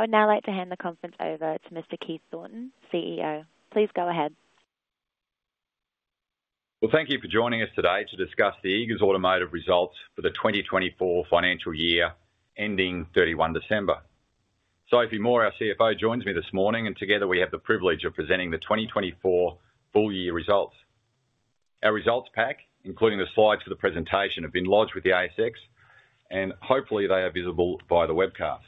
I would now like to hand the conference over to Mr. Keith Thornton, CEO. Please go ahead. Thank you for joining us today to discuss the Eagers Automotive results for the 2024 financial year ending 31 December. Sophie Moore, our CFO, joins me this morning, and together we have the privilege of presenting the 2024 full-year results. Our results pack, including the slides for the presentation, have been lodged with the ASX, and hopefully they are visible via the webcast.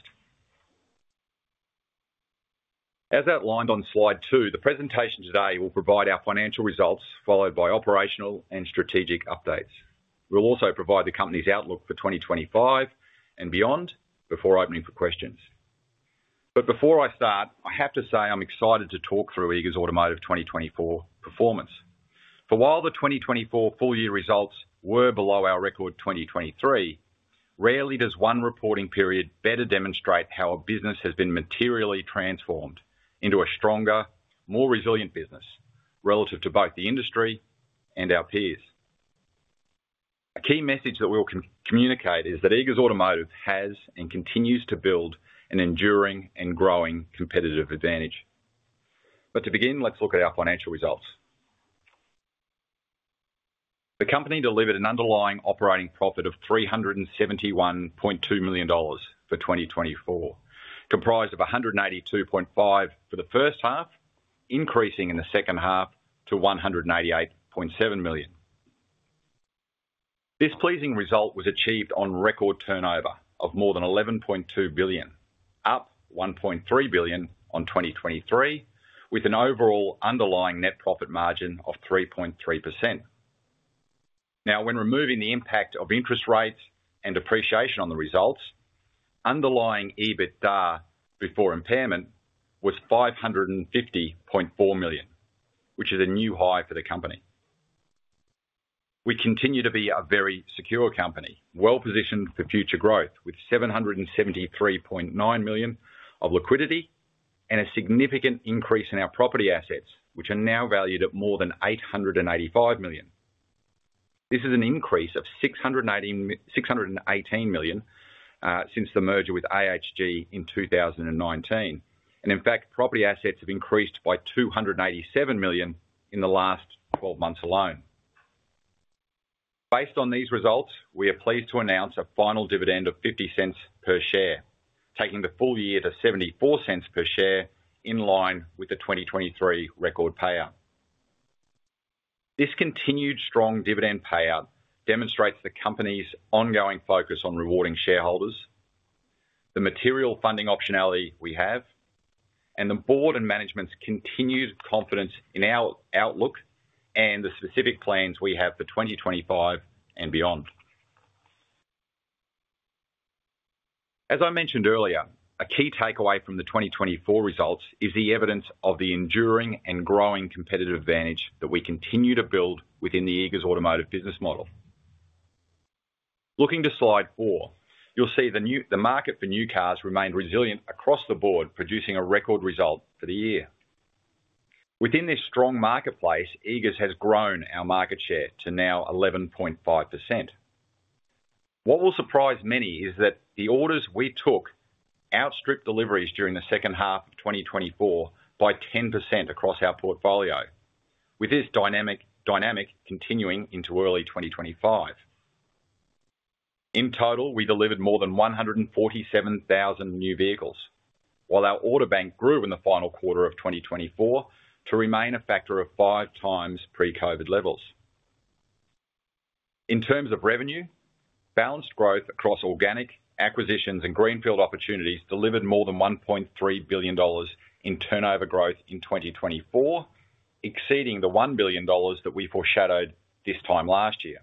As outlined on slide two, the presentation today will provide our financial results, followed by operational and strategic updates. We'll also provide the company's outlook for 2025 and beyond before opening for questions. But before I start, I have to say I'm excited to talk through Eagers Automotive 2024 performance. For while the 2024 full-year results were below our record 2023, rarely does one reporting period better demonstrate how a business has been materially transformed into a stronger, more resilient business relative to both the industry and our peers. A key message that we will communicate is that Eagers Automotive has and continues to build an enduring and growing competitive advantage. But to begin, let's look at our financial results. The company delivered an underlying operating profit of 371.2 million dollars for 2024, comprised of 182.5 million for the first half, increasing in the second half to 188.7 million. This pleasing result was achieved on record turnover of more than 11.2 billion, up 1.3 billion on 2023, with an overall underlying net profit margin of 3.3%. Now, when removing the impact of interest rates and depreciation on the results, underlying EBITDA before impairment was 550.4 million, which is a new high for the company. We continue to be a very secure company, well-positioned for future growth, with 773.9 million of liquidity and a significant increase in our property assets, which are now valued at more than 885 million. This is an increase of 618 million since the merger with AHG in 2019, and in fact, property assets have increased by 287 million in the last 12 months alone. Based on these results, we are pleased to announce a final dividend of 0.50 per share, taking the full year to 0.74 per share in line with the 2023 record payout. This continued strong dividend payout demonstrates the company's ongoing focus on rewarding shareholders, the material funding optionality we have, and the board and management's continued confidence in our outlook and the specific plans we have for 2025 and beyond. As I mentioned earlier, a key takeaway from the 2024 results is the evidence of the enduring and growing competitive advantage that we continue to build within the Eagers Automotive business model. Looking to slide four, you'll see the market for new cars remained resilient across the board, producing a record result for the year. Within this strong marketplace, Eagers has grown our market share to now 11.5%. What will surprise many is that the orders we took outstripped deliveries during the second half of 2024 by 10% across our portfolio, with this dynamic continuing into early 2025. In total, we delivered more than 147,000 new vehicles, while our order bank grew in the final quarter of 2024 to remain a factor of five times pre-COVID levels. In terms of revenue, balanced growth across organic acquisitions and greenfield opportunities delivered more than 1.3 billion dollars in turnover growth in 2024, exceeding the 1 billion dollars that we foreshadowed this time last year.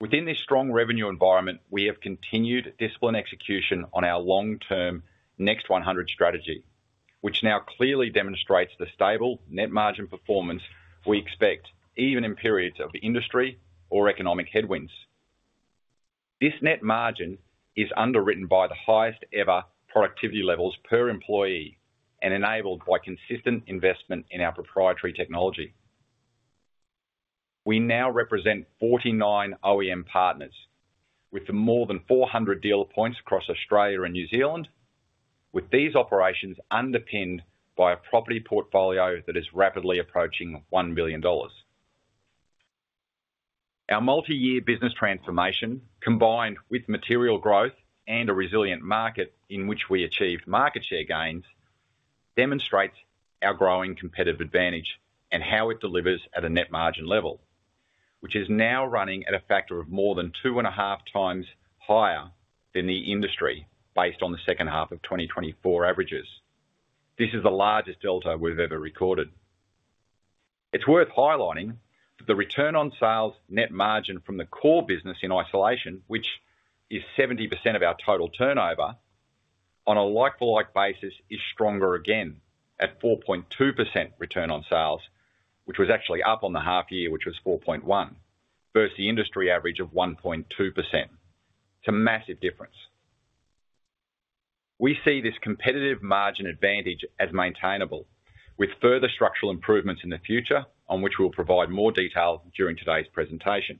Within this strong revenue environment, we have continued discipline execution on our long-term Next 100 strategy, which now clearly demonstrates the stable net margin performance we expect even in periods of industry or economic headwinds. This net margin is underwritten by the highest-ever productivity levels per employee and enabled by consistent investment in our proprietary technology. We now represent 49 OEM partners with more than 400 dealer points across Australia and New Zealand, with these operations underpinned by a property portfolio that is rapidly approaching 1 billion dollars. Our multi-year business transformation, combined with material growth and a resilient market in which we achieved market share gains, demonstrates our growing competitive advantage and how it delivers at a net margin level, which is now running at a factor of more than two and a half times higher than the industry based on the second half of 2024 averages. This is the largest delta we've ever recorded. It's worth highlighting that the return on sales net margin from the core business in isolation, which is 70% of our total turnover, on a like-for-like basis is stronger again at 4.2% return on sales, which was actually up on the half year, which was 4.1, versus the industry average of 1.2%. It's a massive difference. We see this competitive margin advantage as maintainable with further structural improvements in the future, on which we'll provide more detail during today's presentation.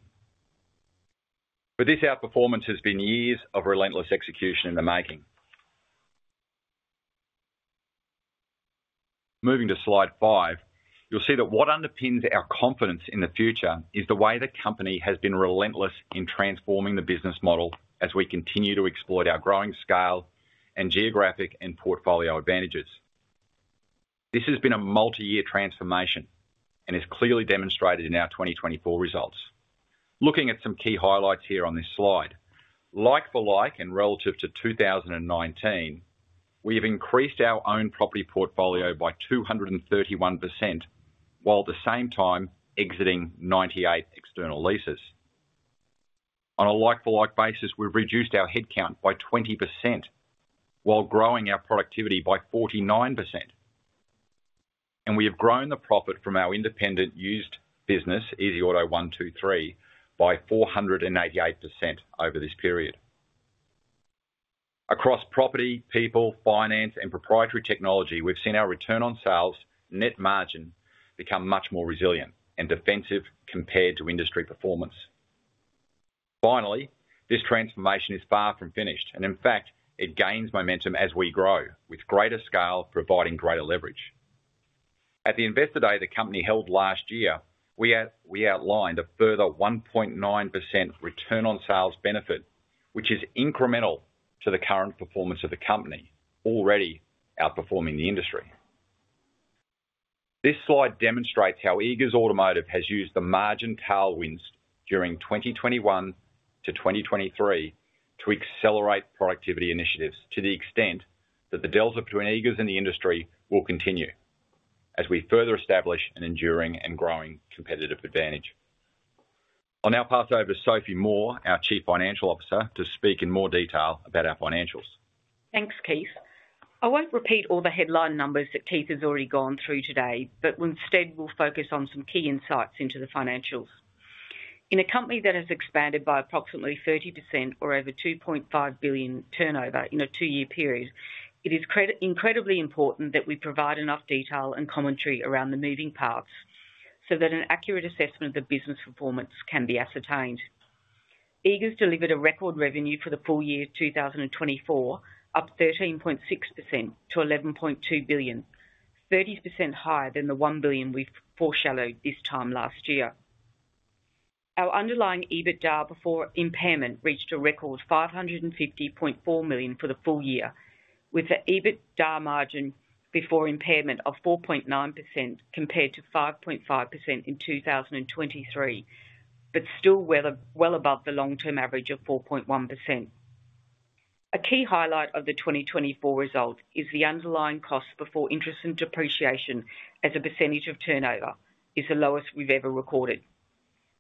But this outperformance has been years of relentless execution in the making. Moving to slide five, you'll see that what underpins our confidence in the future is the way the company has been relentless in transforming the business model as we continue to exploit our growing scale and geographic and portfolio advantages. This has been a multi-year transformation and is clearly demonstrated in our 2024 results. Looking at some key highlights here on this slide, like-for-like and relative to 2019, we have increased our own property portfolio by 231% while at the same time exiting 98 external leases. On a like-for-like basis, we've reduced our headcount by 20% while growing our productivity by 49%. And we have grown the profit from our independent used business, EasyAuto123, by 488% over this period. Across property, people, finance, and proprietary technology, we've seen our return on sales net margin become much more resilient and defensive compared to industry performance. Finally, this transformation is far from finished, and in fact, it gains momentum as we grow with greater scale providing greater leverage. At the Investor Day the company held last year, we outlined a further 1.9% return on sales benefit, which is incremental to the current performance of the company, already outperforming the industry. This slide demonstrates how Eagers Automotive has used the margin tailwinds during 2021 to 2023 to accelerate productivity initiatives to the extent that the delta between Eagers and the industry will continue as we further establish an enduring and growing competitive advantage. I'll now pass over to Sophie Moore, our Chief Financial Officer, to speak in more detail about our financials. Thanks, Keith. I won't repeat all the headline numbers that Keith has already gone through today, but instead, we'll focus on some key insights into the financials. In a company that has expanded by approximately 30% or over 2.5 billion turnover in a two-year period, it is incredibly important that we provide enough detail and commentary around the moving parts so that an accurate assessment of the business performance can be ascertained. Eagers delivered a record revenue for the full year 2024, up 13.6% to 11.2 billion, 30% higher than the 1 billion we foreshadowed this time last year. Our underlying EBITDA before impairment reached a record 550.4 million for the full year, with the EBITDA margin before impairment of 4.9% compared to 5.5% in 2023, but still well above the long-term average of 4.1%. A key highlight of the 2024 result is the underlying cost before interest and depreciation as a percentage of turnover is the lowest we've ever recorded.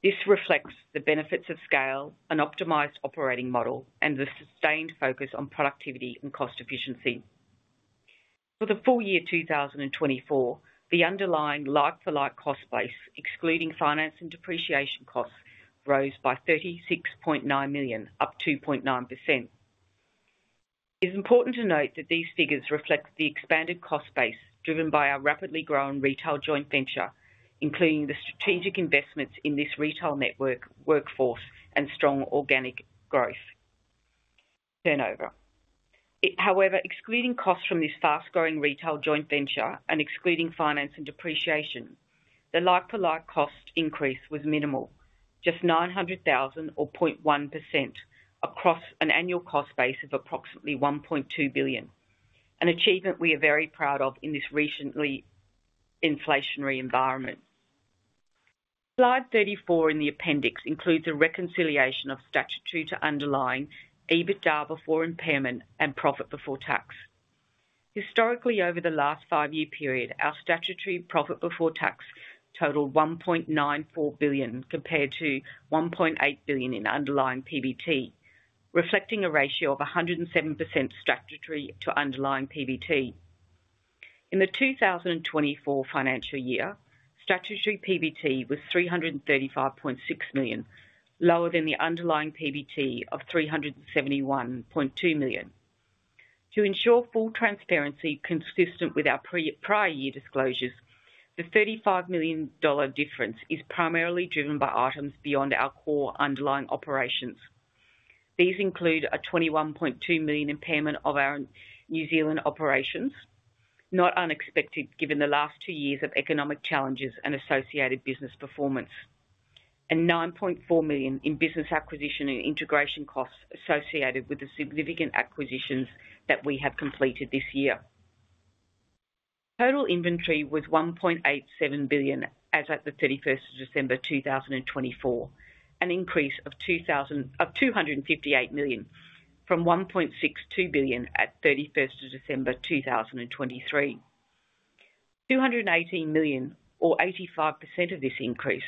This reflects the benefits of scale, an optimized operating model, and the sustained focus on productivity and cost efficiency. For the full year 2024, the underlying like-for-like cost base, excluding finance and depreciation costs, rose by 36.9 million, up 2.9%. It's important to note that these figures reflect the expanded cost base driven by our rapidly growing retail joint venture, including the strategic investments in this retail network workforce and strong organic growth turnover. However, excluding costs from this fast-growing retail joint venture and excluding finance and depreciation, the like-for-like cost increase was minimal, just 900,000 or 0.1% across an annual cost base of approximately 1.2 billion, an achievement we are very proud of in this recently inflationary environment. Slide 34 in the appendix includes a reconciliation of statutory to underlying EBITDA before impairment and profit before tax. Historically, over the last five-year period, our statutory profit before tax totaled 1.94 billion compared to 1.8 billion in underlying PBT, reflecting a ratio of 107% statutory to underlying PBT. In the 2024 financial year, statutory PBT was 335.6 million, lower than the underlying PBT of 371.2 million. To ensure full transparency consistent with our prior year disclosures, the 35 million dollar difference is primarily driven by items beyond our core underlying operations. These include a 21.2 million impairment of our New Zealand operations, not unexpected given the last two years of economic challenges and associated business performance, and 9.4 million in business acquisition and integration costs associated with the significant acquisitions that we have completed this year. Total inventory was 1.87 billion as of the 31st of December 2024, an increase of 258 million from 1.62 billion at 31st of December 2023. 218 million, or 85% of this increase,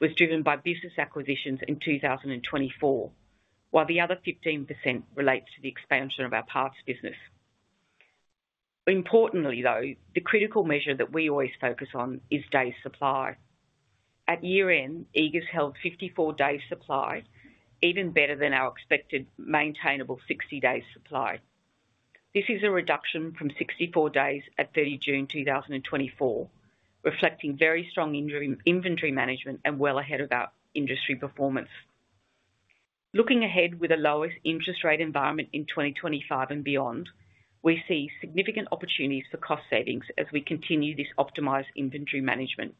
was driven by business acquisitions in 2024, while the other 15% relates to the expansion of our parts business. Importantly, though, the critical measure that we always focus on is day supply. At year-end, Eagers held 54 days supply, even better than our expected maintainable 60 days supply. This is a reduction from 64 days at 30 June 2024, reflecting very strong inventory management and well ahead of our industry performance. Looking ahead with a lowest interest rate environment in 2025 and beyond, we see significant opportunities for cost savings as we continue this optimized inventory management.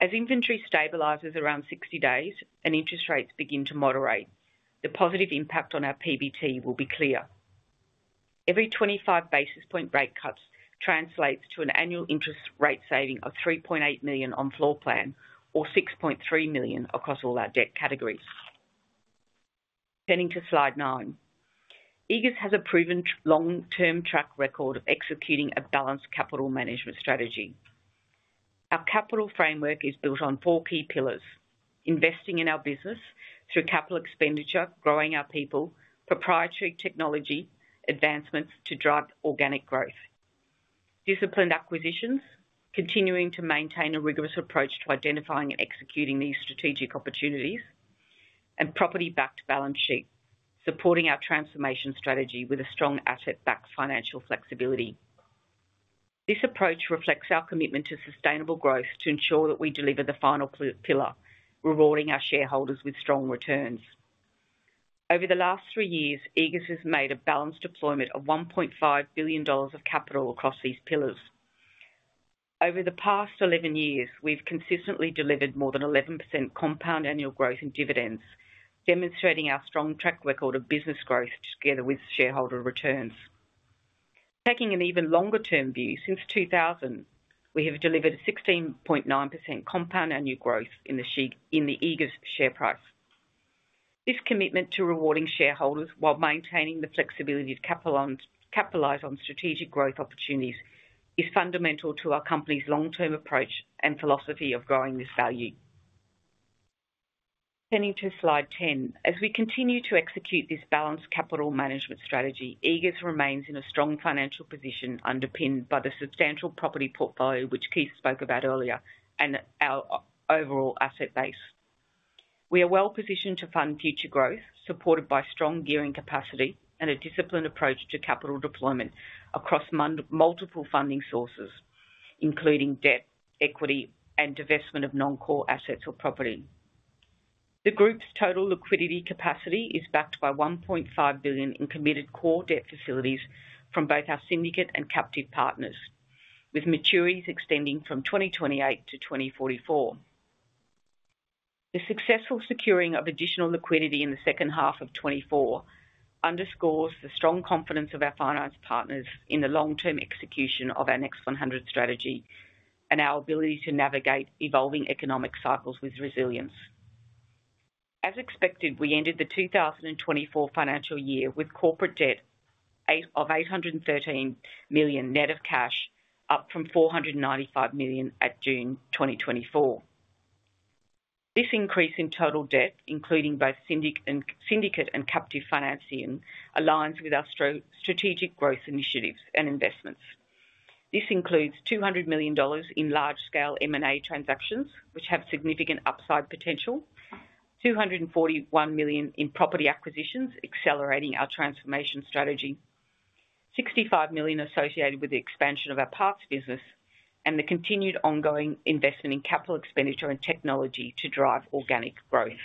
As inventory stabilizes around 60 days and interest rates begin to moderate, the positive impact on our PBT will be clear. Every 25 basis points rate cuts translates to an annual interest rate saving of 3.8 million on floor plan or 6.3 million across all our debt categories. Turning to slide nine, Eagers has a proven long-term track record of executing a balanced capital management strategy. Our capital framework is built on four key pillars: investing in our business through capital expenditure, growing our people, proprietary technology, advancements to drive organic growth, disciplined acquisitions, continuing to maintain a rigorous approach to identifying and executing these strategic opportunities, and property-backed balance sheet, supporting our transformation strategy with a strong asset-backed financial flexibility. This approach reflects our commitment to sustainable growth to ensure that we deliver the final pillar, rewarding our shareholders with strong returns. Over the last three years, Eagers has made a balanced deployment of 1.5 billion dollars of capital across these pillars. Over the past 11 years, we've consistently delivered more than 11% compound annual growth in dividends, demonstrating our strong track record of business growth together with shareholder returns. Taking an even longer-term view, since 2000, we have delivered a 16.9% compound annual growth in the Eagers share price. This commitment to rewarding shareholders while maintaining the flexibility to capitalize on strategic growth opportunities is fundamental to our company's long-term approach and philosophy of growing this value. Turning to slide 10, as we continue to execute this balanced capital management strategy, Eagers remains in a strong financial position underpinned by the substantial property portfolio, which Keith spoke about earlier, and our overall asset base. We are well positioned to fund future growth, supported by strong gearing capacity and a disciplined approach to capital deployment across multiple funding sources, including debt, equity, and divestment of non-core assets or property. The group's total liquidity capacity is backed by 1.5 billion in committed core debt facilities from both our syndicate and captive partners, with maturities extending from 2028 to 2044. The successful securing of additional liquidity in the second half of 2024 underscores the strong confidence of our finance partners in the long-term execution of our Next 100 strategy and our ability to navigate evolving economic cycles with resilience. As expected, we ended the 2024 financial year with corporate debt of 813 million net of cash, up from 495 million at June 2024. This increase in total debt, including both syndicate and captive financing, aligns with our strategic growth initiatives and investments. This includes 200 million dollars in large-scale M&A transactions, which have significant upside potential, 241 million in property acquisitions, accelerating our transformation strategy, 65 million associated with the expansion of our parts business, and the continued ongoing investment in capital expenditure and technology to drive organic growth.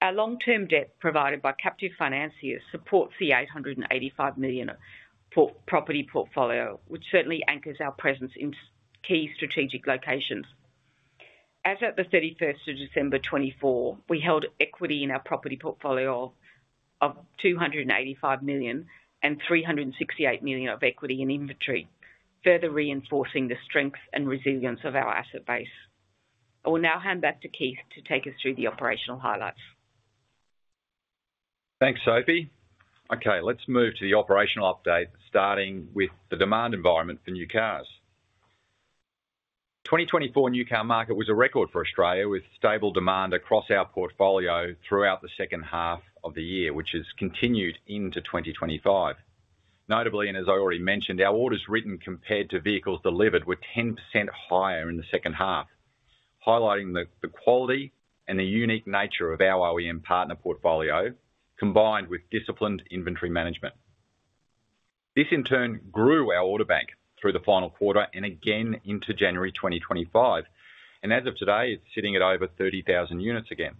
Our long-term debt provided by captive financiers supports the 885 million property portfolio, which certainly anchors our presence in key strategic locations. As of the 31st of December 2024, we held equity in our property portfolio of 285 million and 368 million of equity in inventory, further reinforcing the strength and resilience of our asset base. I will now hand back to Keith to take us through the operational highlights. Thanks, Sophie. Okay, let's move to the operational update, starting with the demand environment for new cars. The 2024 new car market was a record for Australia, with stable demand across our portfolio throughout the second half of the year, which has continued into 2025. Notably, and as I already mentioned, our orders written compared to vehicles delivered were 10% higher in the second half, highlighting the quality and the unique nature of our OEM partner portfolio, combined with disciplined inventory management. This, in turn, grew our order bank through the final quarter and again into January 2025, and as of today, it's sitting at over 30,000 units again.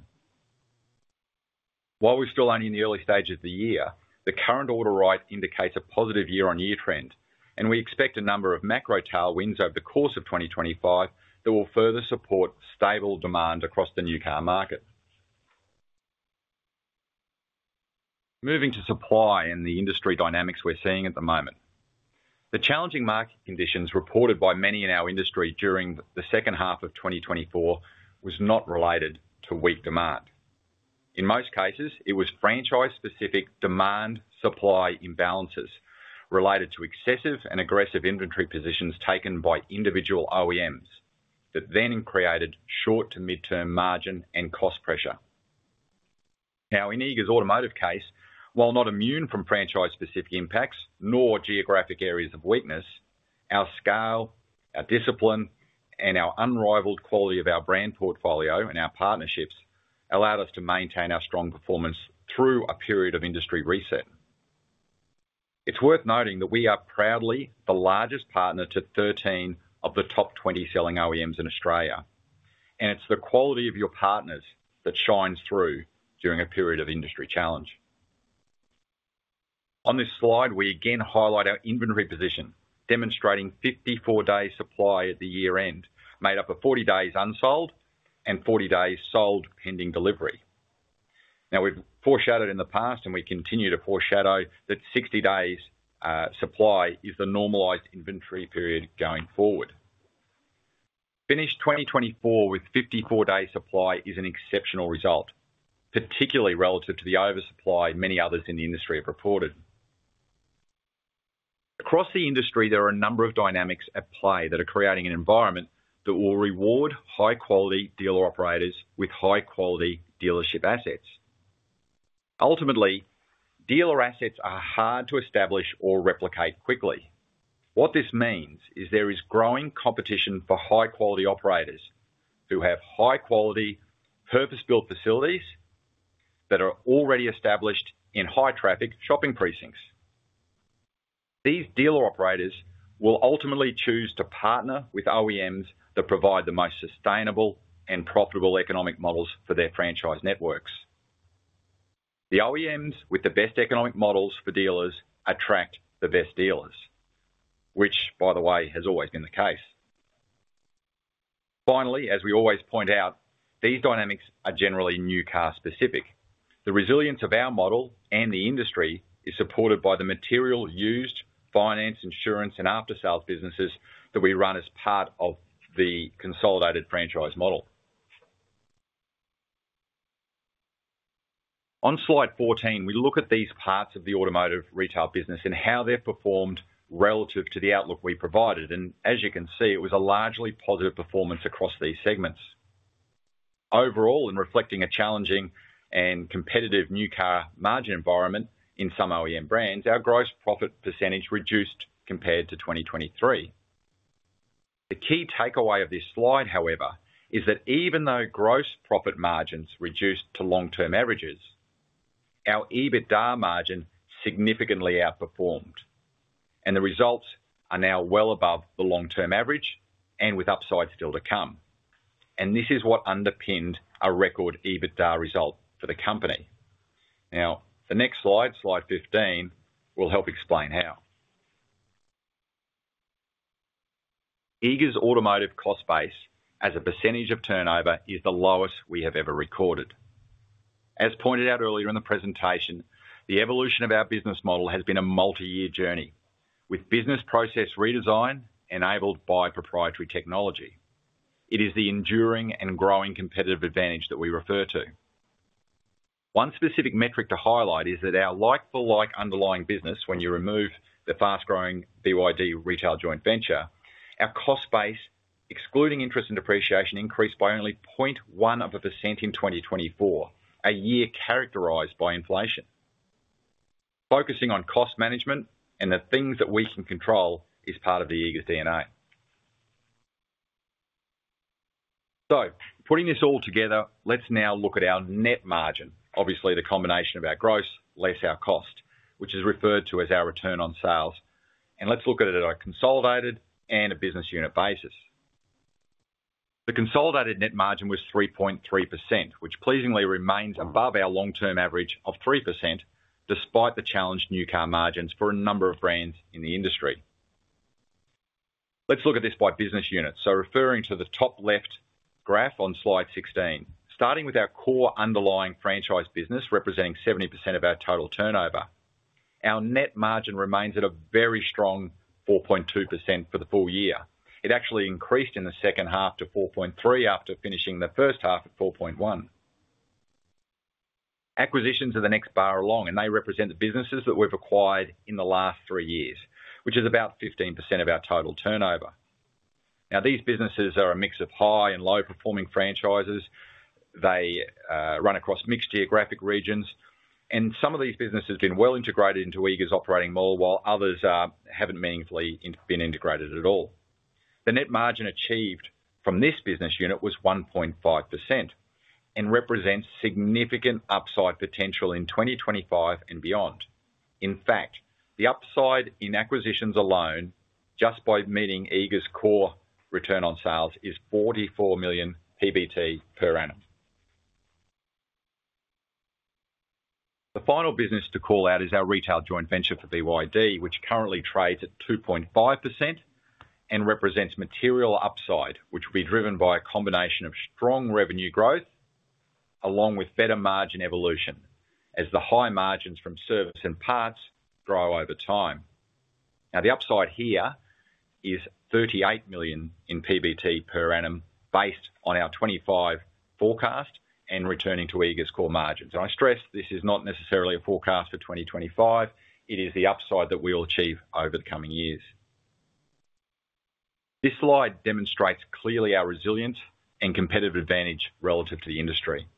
While we're still only in the early stages of the year, the current order rate indicates a positive year-on-year trend, and we expect a number of macro tailwinds over the course of 2025 that will further support stable demand across the new car market. Moving to supply and the industry dynamics we're seeing at the moment. The challenging market conditions reported by many in our industry during the second half of 2024 were not related to weak demand. In most cases, it was franchise-specific demand-supply imbalances related to excessive and aggressive inventory positions taken by individual OEMs that then created short- to mid-term margin and cost pressure. Now, in Eagers Automotive case, while not immune from franchise-specific impacts nor geographic areas of weakness, our scale, our discipline, and our unrivaled quality of our brand portfolio and our partnerships allowed us to maintain our strong performance through a period of industry reset. It's worth noting that we are proudly the largest partner to 13 of the top 20 selling OEMs in Australia, and it's the quality of your partners that shines through during a period of industry challenge. On this slide, we again highlight our inventory position, demonstrating 54-day supply at the year-end, made up of 40 days unsold and 40 days sold pending delivery. Now, we've foreshadowed in the past, and we continue to foreshadow that 60-day supply is the normalized inventory period going forward. Finished 2024 with 54-day supply is an exceptional result, particularly relative to the oversupply many others in the industry have reported. Across the industry, there are a number of dynamics at play that are creating an environment that will reward high-quality dealer operators with high-quality dealership assets. Ultimately, dealer assets are hard to establish or replicate quickly. What this means is there is growing competition for high-quality operators who have high-quality, purpose-built facilities that are already established in high-traffic shopping precincts. These dealer operators will ultimately choose to partner with OEMs that provide the most sustainable and profitable economic models for their franchise networks. The OEMs with the best economic models for dealers attract the best dealers, which, by the way, has always been the case. Finally, as we always point out, these dynamics are generally new car specific. The resilience of our model and the industry is supported by the material used vehicle finance, insurance, and after-sales businesses that we run as part of the consolidated franchise model. On slide 14, we look at these parts of the automotive retail business and how they've performed relative to the outlook we provided. As you can see, it was a largely positive performance across these segments. Overall, in reflecting a challenging and competitive new car margin environment in some OEM brands, our gross profit percentage reduced compared to 2023. The key takeaway of this slide, however, is that even though gross profit margins reduced to long-term averages, our EBITDA margin significantly outperformed, and the results are now well above the long-term average and with upsides still to come. This is what underpinned a record EBITDA result for the company. Now, the next slide, slide 15, will help explain how. Eagers Automotive cost base as a percentage of turnover is the lowest we have ever recorded. As pointed out earlier in the presentation, the evolution of our business model has been a multi-year journey with business process redesign enabled by proprietary technology. It is the enduring and growing competitive advantage that we refer to. One specific metric to highlight is that our like-for-like underlying business, when you remove the fast-growing BYD retail joint venture, our cost base, excluding interest and depreciation, increased by only 0.1% in 2024, a year characterized by inflation. Focusing on cost management and the things that we can control is part of the Eagers DNA, so putting this all together, let's now look at our net margin, obviously the combination of our gross less our cost, which is referred to as our return on sales, and let's look at it at a consolidated and a business unit basis. The consolidated net margin was 3.3%, which pleasingly remains above our long-term average of 3% despite the challenged new car margins for a number of brands in the industry. Let's look at this by business unit. So, referring to the top left graph on slide 16, starting with our core underlying franchise business representing 70% of our total turnover, our net margin remains at a very strong 4.2% for the full year. It actually increased in the second half to 4.3% after finishing the first half at 4.1%. Acquisitions are the next bar along, and they represent the businesses that we've acquired in the last three years, which is about 15% of our total turnover. Now, these businesses are a mix of high and low-performing franchises. They run across mixed geographic regions, and some of these businesses have been well integrated into Eagers Operating Model, while others haven't meaningfully been integrated at all. The net margin achieved from this business unit was 1.5% and represents significant upside potential in 2025 and beyond. In fact, the upside in acquisitions alone, just by meeting Eagers' core return on sales, is 44 million PBT per annum. The final business to call out is our retail joint venture for BYD, which currently trades at 2.5% and represents material upside, which will be driven by a combination of strong revenue growth along with better margin evolution as the high margins from service and parts grow over time. Now, the upside here is 38 million in PBT per annum based on our 2025 forecast and returning to Eagers' core margins, and I stress this is not necessarily a forecast for 2025. It is the upside that we'll achieve over the coming years. This slide demonstrates clearly our resilience and competitive advantage relative to the industry.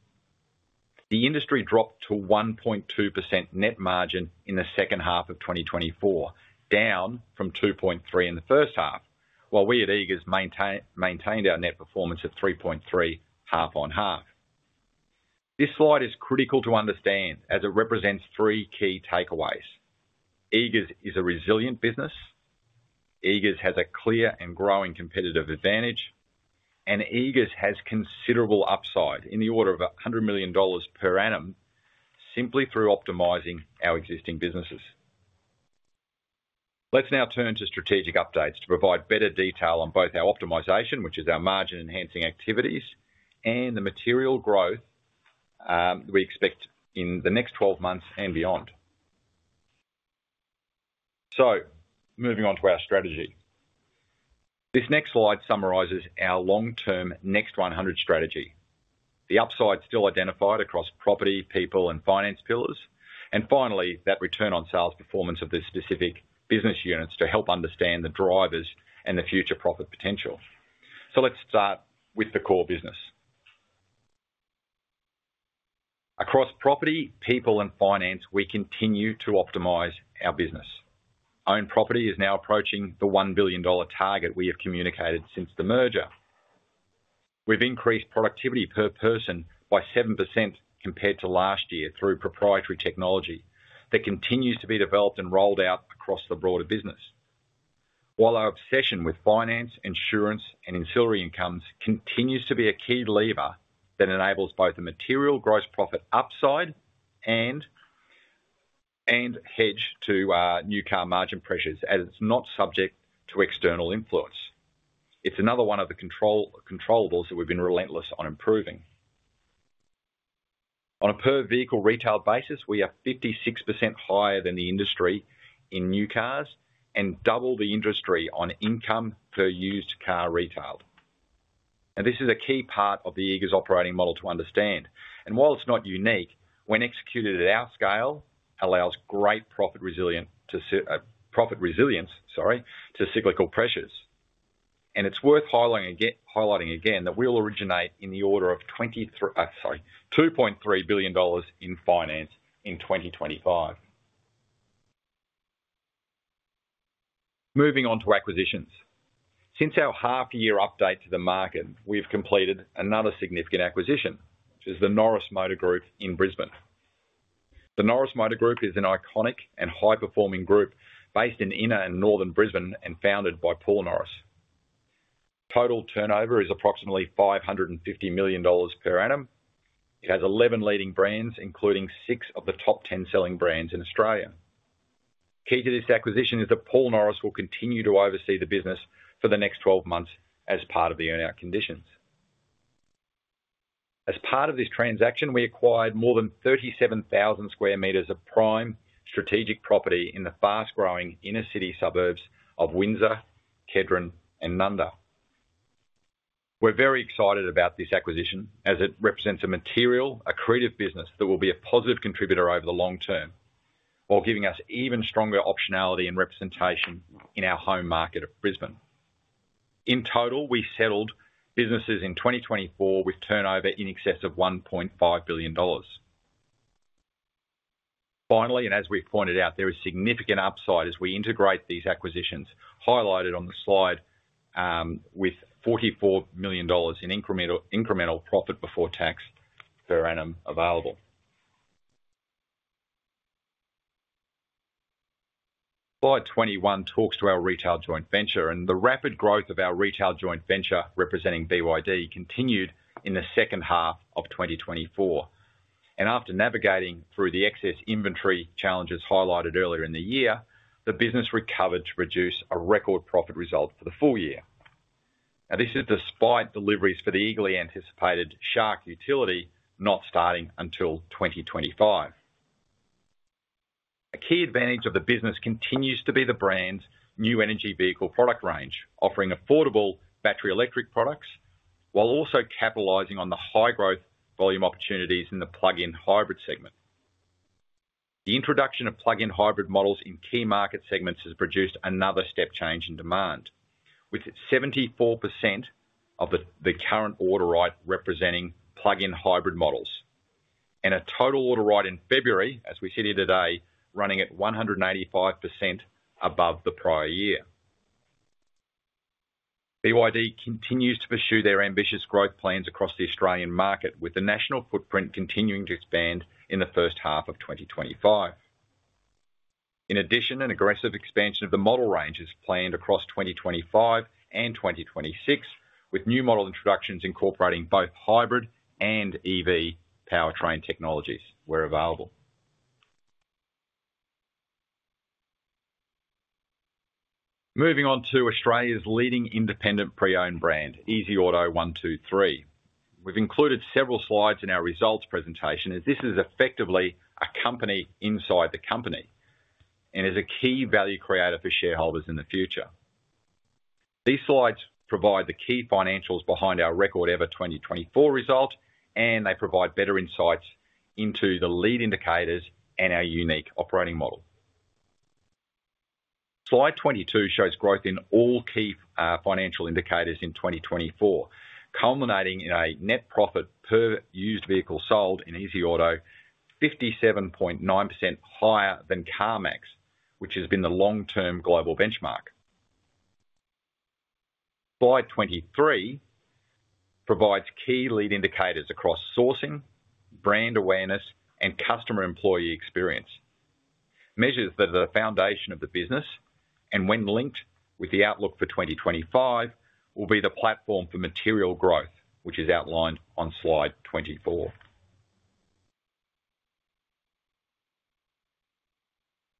The industry dropped to 1.2% net margin in the second half of 2024, down from 2.3% in the first half, while we at Eagers maintained our net performance of 3.3% half on half. This slide is critical to understand as it represents three key takeaways. Eagers is a resilient business. Eagers has a clear and growing competitive advantage, and Eagers has considerable upside in the order of 100 million dollars per annum simply through optimizing our existing businesses. Let's now turn to strategic updates to provide better detail on both our optimization, which is our margin-enhancing activities, and the material growth we expect in the next 12 months and beyond. Moving on to our strategy. This next slide summarizes our long-term Next 100 strategy. The upside still identified across property, people, and finance pillars, and finally, that return on sales performance of the specific business units to help understand the drivers and the future profit potential. So, let's start with the core business. Across property, people, and finance, we continue to optimize our business. Own property is now approaching the 1 billion dollar target we have communicated since the merger. We've increased productivity per person by 7% compared to last year through proprietary technology that continues to be developed and rolled out across the broader business. While our obsession with finance, insurance, and ancillary incomes continues to be a key lever that enables both the material gross profit upside and hedge to new car margin pressures as it's not subject to external influence. It's another one of the controllable that we've been relentless on improving. On a per-vehicle retail basis, we are 56% higher than the industry in new cars and double the industry on income per used car retailed. Now, this is a key part of the Eagers Operating Model to understand. And while it's not unique, when executed at our scale, it allows great profit resilience to cyclical pressures. And it's worth highlighting again that we'll originate in the order of 2.3 billion dollars in finance in 2025. Moving on to acquisitions. Since our half-year update to the market, we've completed another significant acquisition, which is the Norris Motor Group in Brisbane. The Norris Motor Group is an iconic and high-performing group based in inner and northern Brisbane and founded by Paul Norris. Total turnover is approximately 550 million dollars per annum. It has 11 leading brands, including six of the top 10 selling brands in Australia. Key to this acquisition is that Paul Norris will continue to oversee the business for the next 12 months as part of the earning out conditions. As part of this transaction, we acquired more than 37,000 square meters of prime strategic property in the fast-growing inner-city suburbs of Windsor, Kedron, and Nundah. We're very excited about this acquisition as it represents a material, accretive business that will be a positive contributor over the long term while giving us even stronger optionality and representation in our home market of Brisbane. In total, we settled businesses in 2024 with turnover in excess of 1.5 billion dollars. Finally, and as we've pointed out, there is significant upside as we integrate these acquisitions, highlighted on the slide with 44 million dollars in incremental profit before tax per annum available. Slide 21 talks to our retail joint venture, and the rapid growth of our retail joint venture representing BYD continued in the second half of 2024. After navigating through the excess inventory challenges highlighted earlier in the year, the business recovered to produce a record profit result for the full year. Now, this is despite deliveries for the eagerly anticipated Shark Utility not starting until 2025. A key advantage of the business continues to be the brand's new energy vehicle product range, offering affordable battery electric products while also capitalizing on the high-growth volume opportunities in the plug-in hybrid segment. The introduction of plug-in hybrid models in key market segments has produced another step change in demand, with 74% of the current order book representing plug-in hybrid models and a total order book in February, as we see today, running at 185% above the prior year. BYD continues to pursue their ambitious growth plans across the Australian market, with the national footprint continuing to expand in the first half of 2025. In addition, an aggressive expansion of the model range is planned across 2025 and 2026, with new model introductions incorporating both hybrid and EV powertrain technologies where available. Moving on to Australia's leading independent pre-owned brand, EasyAuto123. We've included several slides in our results presentation as this is effectively a company inside the company and is a key value creator for shareholders in the future. These slides provide the key financials behind our record-ever 2024 result, and they provide better insights into the lead indicators and our unique operating model. Slide 22 shows growth in all key financial indicators in 2024, culminating in a net profit per used vehicle sold in EasyAuto123 57.9% higher than CarMax, which has been the long-term global benchmark. Slide 23 provides key lead indicators across sourcing, brand awareness, and customer employee experience. Measures that are the foundation of the business, and when linked with the outlook for 2025, will be the platform for material growth, which is outlined on slide 24.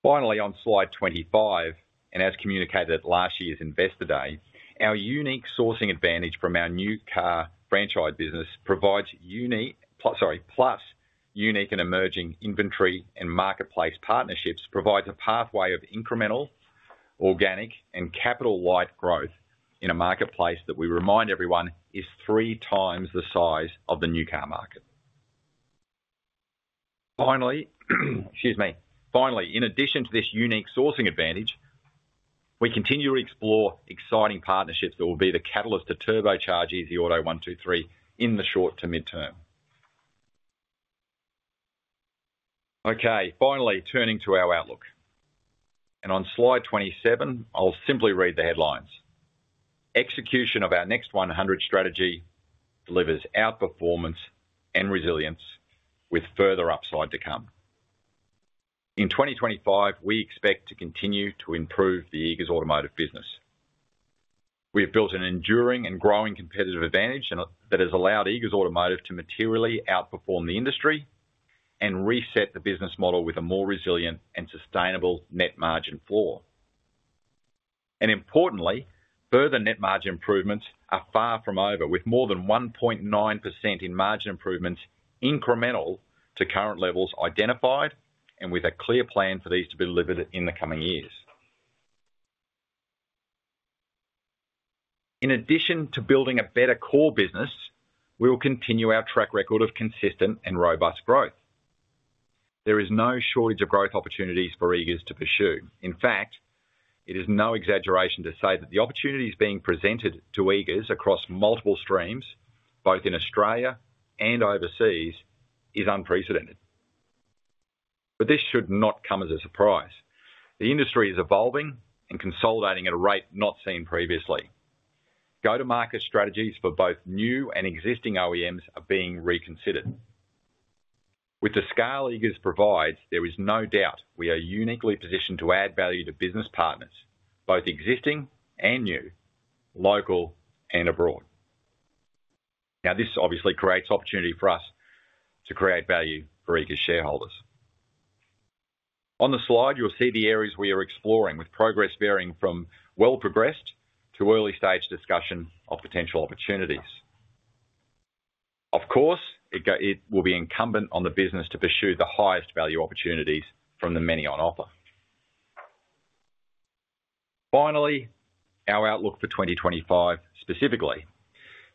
Finally, on slide 25, and as communicated at last year's Investor Day, our unique sourcing advantage from our new car franchise business provides unique plus unique and emerging inventory and marketplace partnerships provides a pathway of incremental, organic, and capital-light growth in a marketplace that we remind everyone is three times the size of the new car market. Finally, excuse me. Finally, in addition to this unique sourcing advantage, we continue to explore exciting partnerships that will be the catalyst to turbocharge EasyAuto123 in the short to midterm. Okay, finally, turning to our outlook on slide 27, I'll simply read the headlines. Execution of our Next 100 strategy delivers outperformance and resilience with further upside to come. In 2025, we expect to continue to improve the Eagers Automotive business. We have built an enduring and growing competitive advantage that has allowed Eagers Automotive to materially outperform the industry and reset the business model with a more resilient and sustainable net margin floor. And importantly, further net margin improvements are far from over, with more than 1.9% in margin improvements incremental to current levels identified and with a clear plan for these to be delivered in the coming years. In addition to building a better core business, we will continue our track record of consistent and robust growth. There is no shortage of growth opportunities for Eagers to pursue. In fact, it is no exaggeration to say that the opportunities being presented to Eagers across multiple streams, both in Australia and overseas, is unprecedented. But this should not come as a surprise. The industry is evolving and consolidating at a rate not seen previously. Go to market strategies for both new and existing OEMs are being reconsidered. With the scale Eagers provides, there is no doubt we are uniquely positioned to add value to business partners, both existing and new, local and abroad. Now, this obviously creates opportunity for us to create value for Eagers' shareholders. On the slide, you'll see the areas we are exploring with progress varying from well-progressed to early-stage discussion of potential opportunities. Of course, it will be incumbent on the business to pursue the highest value opportunities from the many on offer. Finally, our outlook for 2025 specifically.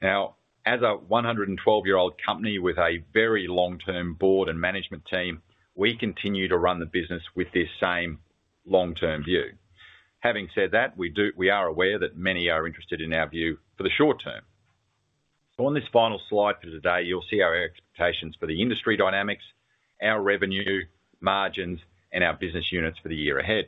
Now, as a 112-year-old company with a very long-term board and management team, we continue to run the business with this same long-term view. Having said that, we are aware that many are interested in our view for the short term. So on this final slide for today, you'll see our expectations for the industry dynamics, our revenue, margins, and our business units for the year ahead.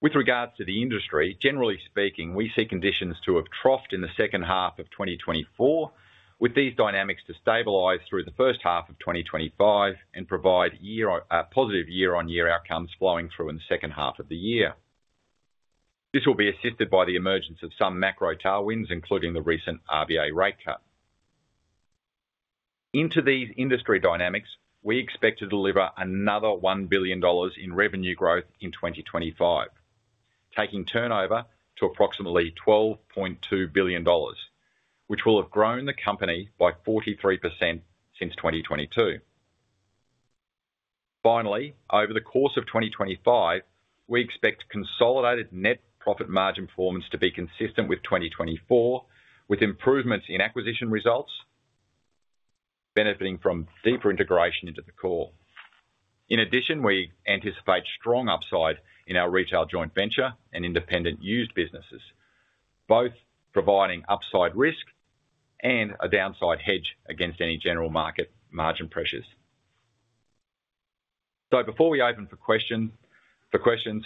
With regards to the industry, generally speaking, we see conditions to have troughed in the second half of 2024, with these dynamics to stabilize through the first half of 2025 and provide positive year-on-year outcomes flowing through in the second half of the year. This will be assisted by the emergence of some macro tailwinds, including the recent RBA rate cut. Into these industry dynamics, we expect to deliver another 1 billion dollars in revenue growth in 2025, taking turnover to approximately 12.2 billion dollars, which will have grown the company by 43% since 2022. Finally, over the course of 2025, we expect consolidated net profit margin performance to be consistent with 2024, with improvements in acquisition results benefiting from deeper integration into the core. In addition, we anticipate strong upside in our retail joint venture and independent used businesses, both providing upside risk and a downside hedge against any general market margin pressures. So before we open for questions,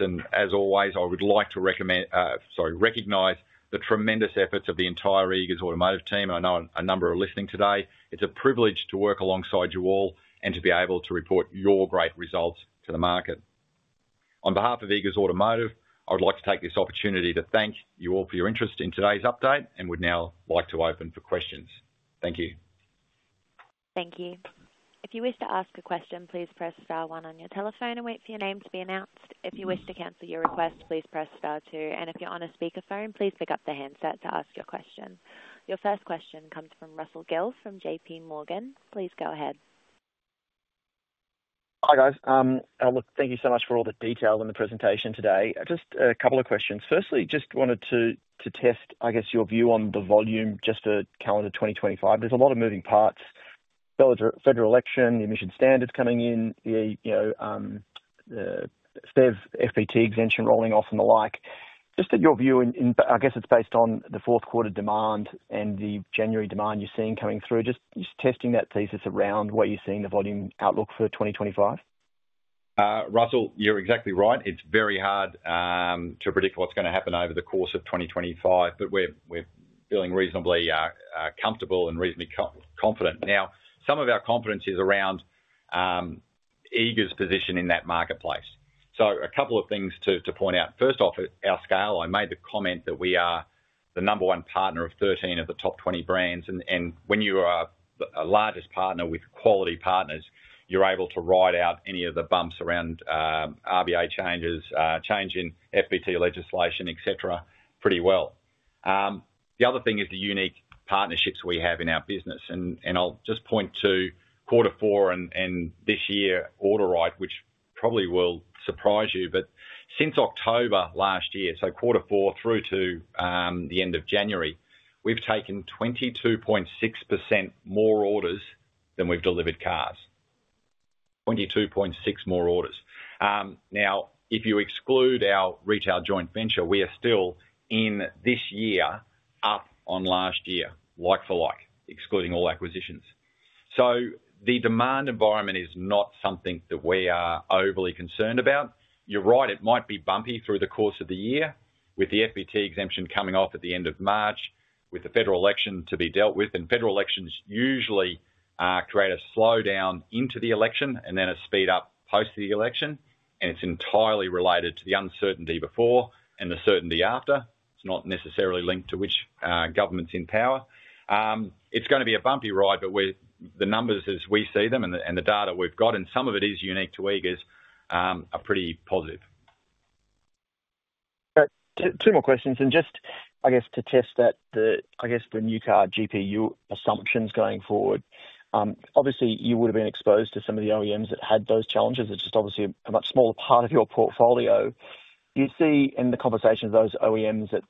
and as always, I would like to recognize the tremendous efforts of the entire Eagers Automotive team. I know a number are listening today. It's a privilege to work alongside you all and to be able to report your great results to the market. On behalf of Eagers Automotive, I would like to take this opportunity to thank you all for your interest in today's update and would now like to open for questions. Thank you. Thank you. If you wish to ask a question, please press star one on your telephone and wait for your name to be announced. If you wish to cancel your request, please press star two, and if you're on a speakerphone, please pick up the handset to ask your question. Your first question comes from Russell Gill from JPMorgan. Please go ahead. Hi guys. Thank you so much for all the detail in the presentation today. Just a couple of questions. Firstly, just wanted to test, I guess, your view on the volume just for calendar 2025. There's a lot of moving parts: federal election, the emission standards coming in, the SPTEV exemption rolling off, and the like. Just your view, and I guess it's based on the fourth quarter demand and the January demand you're seeing coming through. Just testing that thesis around what you're seeing the volume outlook for 2025. Russell, you're exactly right. It's very hard to predict what's going to happen over the course of 2025, but we're feeling reasonably comfortable and reasonably confident. Now, some of our confidence is around Eagers' position in that marketplace. So a couple of things to point out. First off, our scale. I made the comment that we are the number one partner of 13 of the top 20 brands. And when you are the largest partner with quality partners, you're able to ride out any of the bumps around RBA changes, change in FBT legislation, etc., pretty well. The other thing is the unique partnerships we have in our business, and I'll just point to quarter four and this year order right, which probably will surprise you, but since October last year, so quarter four through to the end of January, we've taken 22.6% more orders than we've delivered cars. 22.6 more orders. Now, if you exclude our retail joint venture, we are still in this year up on last year, like for like, excluding all acquisitions, so the demand environment is not something that we are overly concerned about. You're right, it might be bumpy through the course of the year with the FBT exemption coming off at the end of March, with the federal election to be dealt with and federal elections usually create a slowdown into the election and then a speed up post the election. And it's entirely related to the uncertainty before and the certainty after. It's not necessarily linked to which government's in power. It's going to be a bumpy ride, but the numbers, as we see them and the data we've got, and some of it is unique to Eagers, are pretty positive. Two more questions and just, I guess, to test that, I guess the new car GPU assumptions going forward. Obviously, you would have been exposed to some of the OEMs that had those challenges. It's just obviously a much smaller part of your portfolio. Do you see in the conversation of those OEMs that,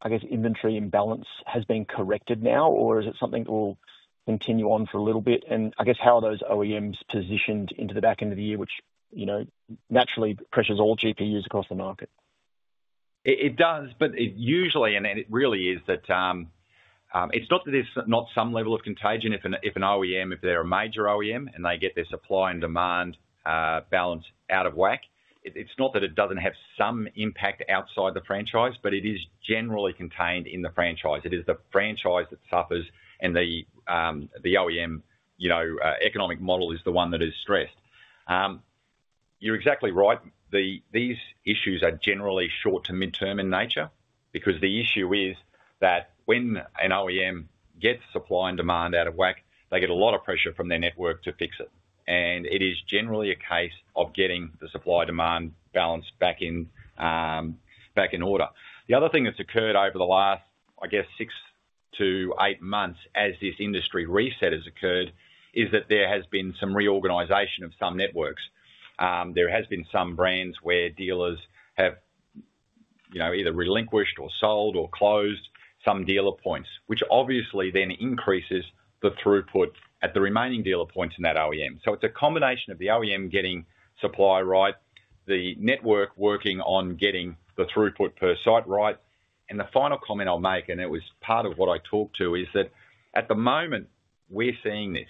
I guess, inventory imbalance has been corrected now, or is it something that will continue on for a little bit? I guess, how are those OEMs positioned into the back end of the year, which naturally pressures all GPUs across the market? It does, but it usually, and it really is that it's not that there's not some level of contagion if an OEM, if they're a major OEM and they get their supply and demand balance out of whack. It's not that it doesn't have some impact outside the franchise, but it is generally contained in the franchise. It is the franchise that suffers, and the OEM economic model is the one that is stressed. You're exactly right. These issues are generally short to midterm in nature because the issue is that when an OEM gets supply and demand out of whack, they get a lot of pressure from their network to fix it, and it is generally a case of getting the supply demand balance back in order. The other thing that's occurred over the last, I guess, six to eight months as this industry reset has occurred is that there has been some reorganization of some networks. There has been some brands where dealers have either relinquished or sold or closed some dealer points, which obviously then increases the throughput at the remaining dealer points in that OEM, so it's a combination of the OEM getting supply right, the network working on getting the throughput per site right. The final comment I'll make, and it was part of what I talked to, is that at the moment we're seeing this.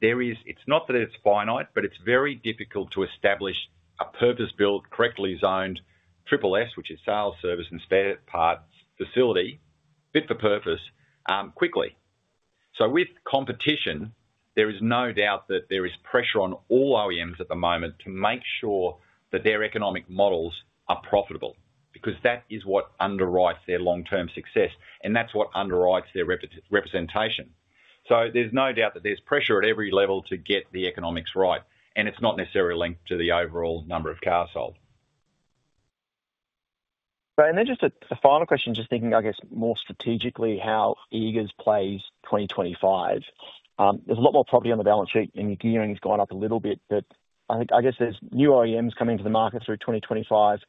It's not that it's finite, but it's very difficult to establish a purpose-built, correctly zoned SSS, which is sales, service, and spare parts facility, fit for purpose quickly. So with competition, there is no doubt that there is pressure on all OEMs at the moment to make sure that their economic models are profitable because that is what underwrites their long-term success, and that's what underwrites their representation. So there's no doubt that there's pressure at every level to get the economics right, and it's not necessarily linked to the overall number of cars sold. Then just a final question, just thinking, I guess, more strategically how Eagers plays 2025. There's a lot more property on the balance sheet, and your gearing's gone up a little bit, but I guess there's new OEMs coming to the market through 2025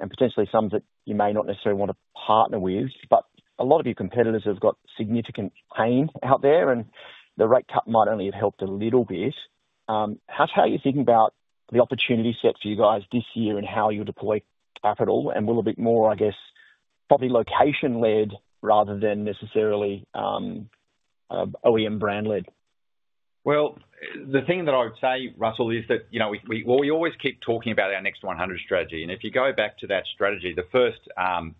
and potentially some that you may not necessarily want to partner with. But a lot of your competitors have got significant pain out there, and the rate cut might only have helped a little bit. How are you thinking about the opportunity set for you guys this year and how you'll deploy capital and will it be more, I guess, probably location-led rather than necessarily OEM brand-led? Well, the thing that I would say, Russell, is that we always keep talking about our Next 100 strategy. And if you go back to that strategy, the first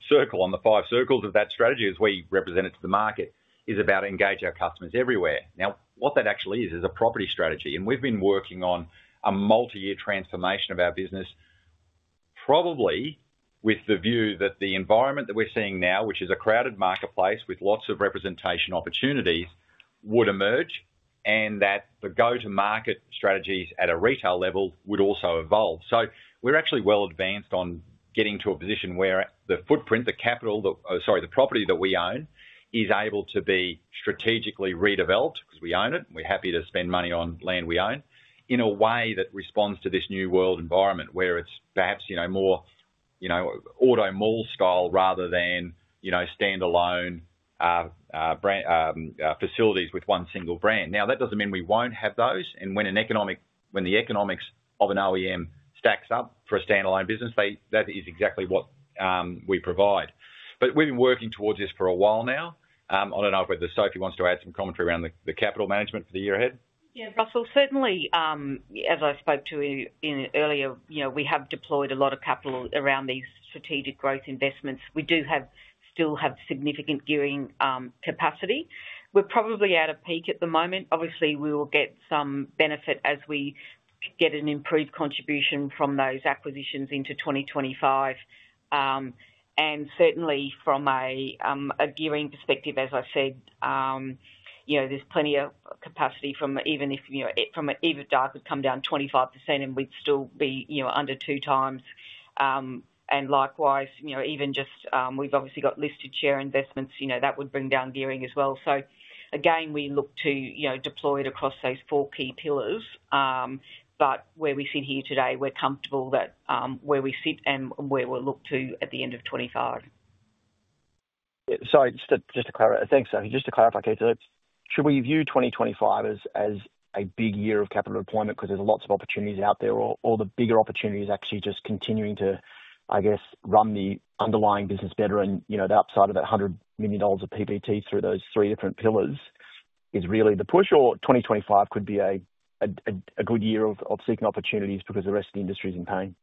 circle on the five circles of that strategy as we represent it to the market is about engaging our customers everywhere. Now, what that actually is, is a property strategy. And we've been working on a multi-year transformation of our business, probably with the view that the environment that we're seeing now, which is a crowded marketplace with lots of representation opportunities, would emerge and that the go-to-market strategies at a retail level would also evolve. So we're actually well advanced on getting to a position where the footprint, the capital, sorry, the property that we own is able to be strategically redeveloped because we own it, and we're happy to spend money on land we own in a way that responds to this new world environment where it's perhaps more auto mall style rather than standalone facilities with one single brand. Now, that doesn't mean we won't have those. And when the economics of an OEM stacks up for a standalone business, that is exactly what we provide. But we've been working towards this for a while now. I don't know whether Sophie wants to add some commentary around the capital management for the year ahead. Yeah, Russell, certainly, as I spoke to you earlier, we have deployed a lot of capital around these strategic growth investments. We do still have significant gearing capacity. We're probably at a peak at the moment. Obviously, we will get some benefit as we get an improved contribution from those acquisitions into 2025. And certainly, from a gearing perspective, as I said, there's plenty of capacity even if DAR could come down 25%, and we'd still be under two times. And likewise, even just we've obviously got listed share investments that would bring down gearing as well. So again, we look to deploy it across those four key pillars. But where we sit here today, we're comfortable that where we sit and where we'll look to at the end of 2025. Sorry, just to clarify, thanks, Sophie. Just to clarify, Kate, should we view 2025 as a big year of capital deployment because there's lots of opportunities out there? Or the bigger opportunity is actually just continuing to, I guess, run the underlying business better? And the upside of that 100 million dollars of PPT through those three different pillars is really the push, or 2025 could be a good year of seeking opportunities because the rest of the industry is in pain?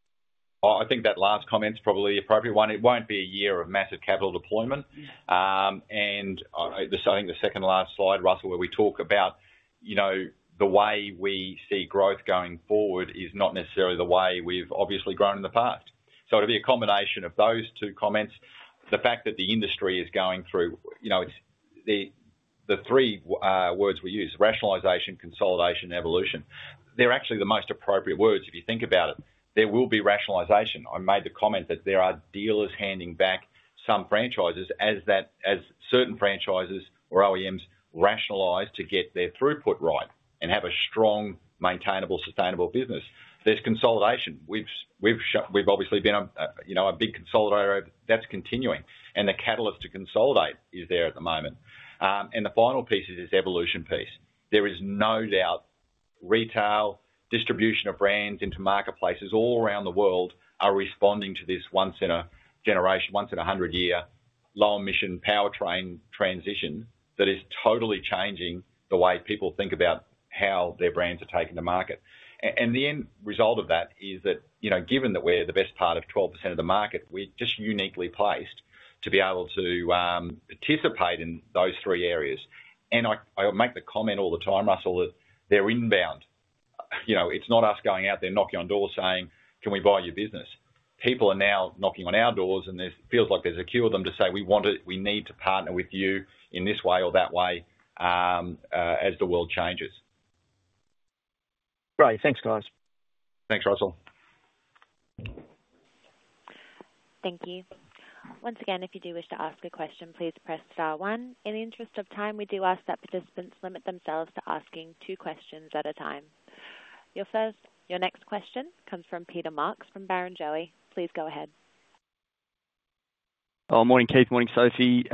I think that last comment's probably the appropriate one. It won't be a year of massive capital deployment. And I think the second last slide, Russell, where we talk about the way we see growth going forward is not necessarily the way we've obviously grown in the past. So it'll be a combination of those two comments. The fact that the industry is going through the three words we use: rationalization, consolidation, and evolution. They're actually the most appropriate words if you think about it. There will be rationalization. I made the comment that there are dealers handing back some franchises as certain franchises or OEMs rationalize to get their throughput right and have a strong, maintainable, sustainable business. There's consolidation. We've obviously been a big consolidator. That's continuing. And the catalyst to consolidate is there at the moment. And the final piece is this evolution piece. There is no doubt retail distribution of brands into marketplaces all around the world are responding to this once-in-a-hundred-year low-emission powertrain transition that is totally changing the way people think about how their brands are taking the market. And the end result of that is that given that we're the best part of 12% of the market, we're just uniquely placed to be able to participate in those three areas. And I make the comment all the time, Russell, that they're inbound. It's not us going out there knocking on doors saying, "Can we buy your business?" People are now knocking on our doors, and it feels like there's a queue of them to say, "We need to partner with you in this way or that way as the world changes." Right. Thanks, guys. Thanks, Russell. Thank you. Once again, if you do wish to ask a question, please press star one. In the interest of time, we do ask that participants limit themselves to asking two questions at a time. Your next question comes from Peter Marks from Barrenjoey. Please go ahead. Morning, Keith. Morning, Sophie.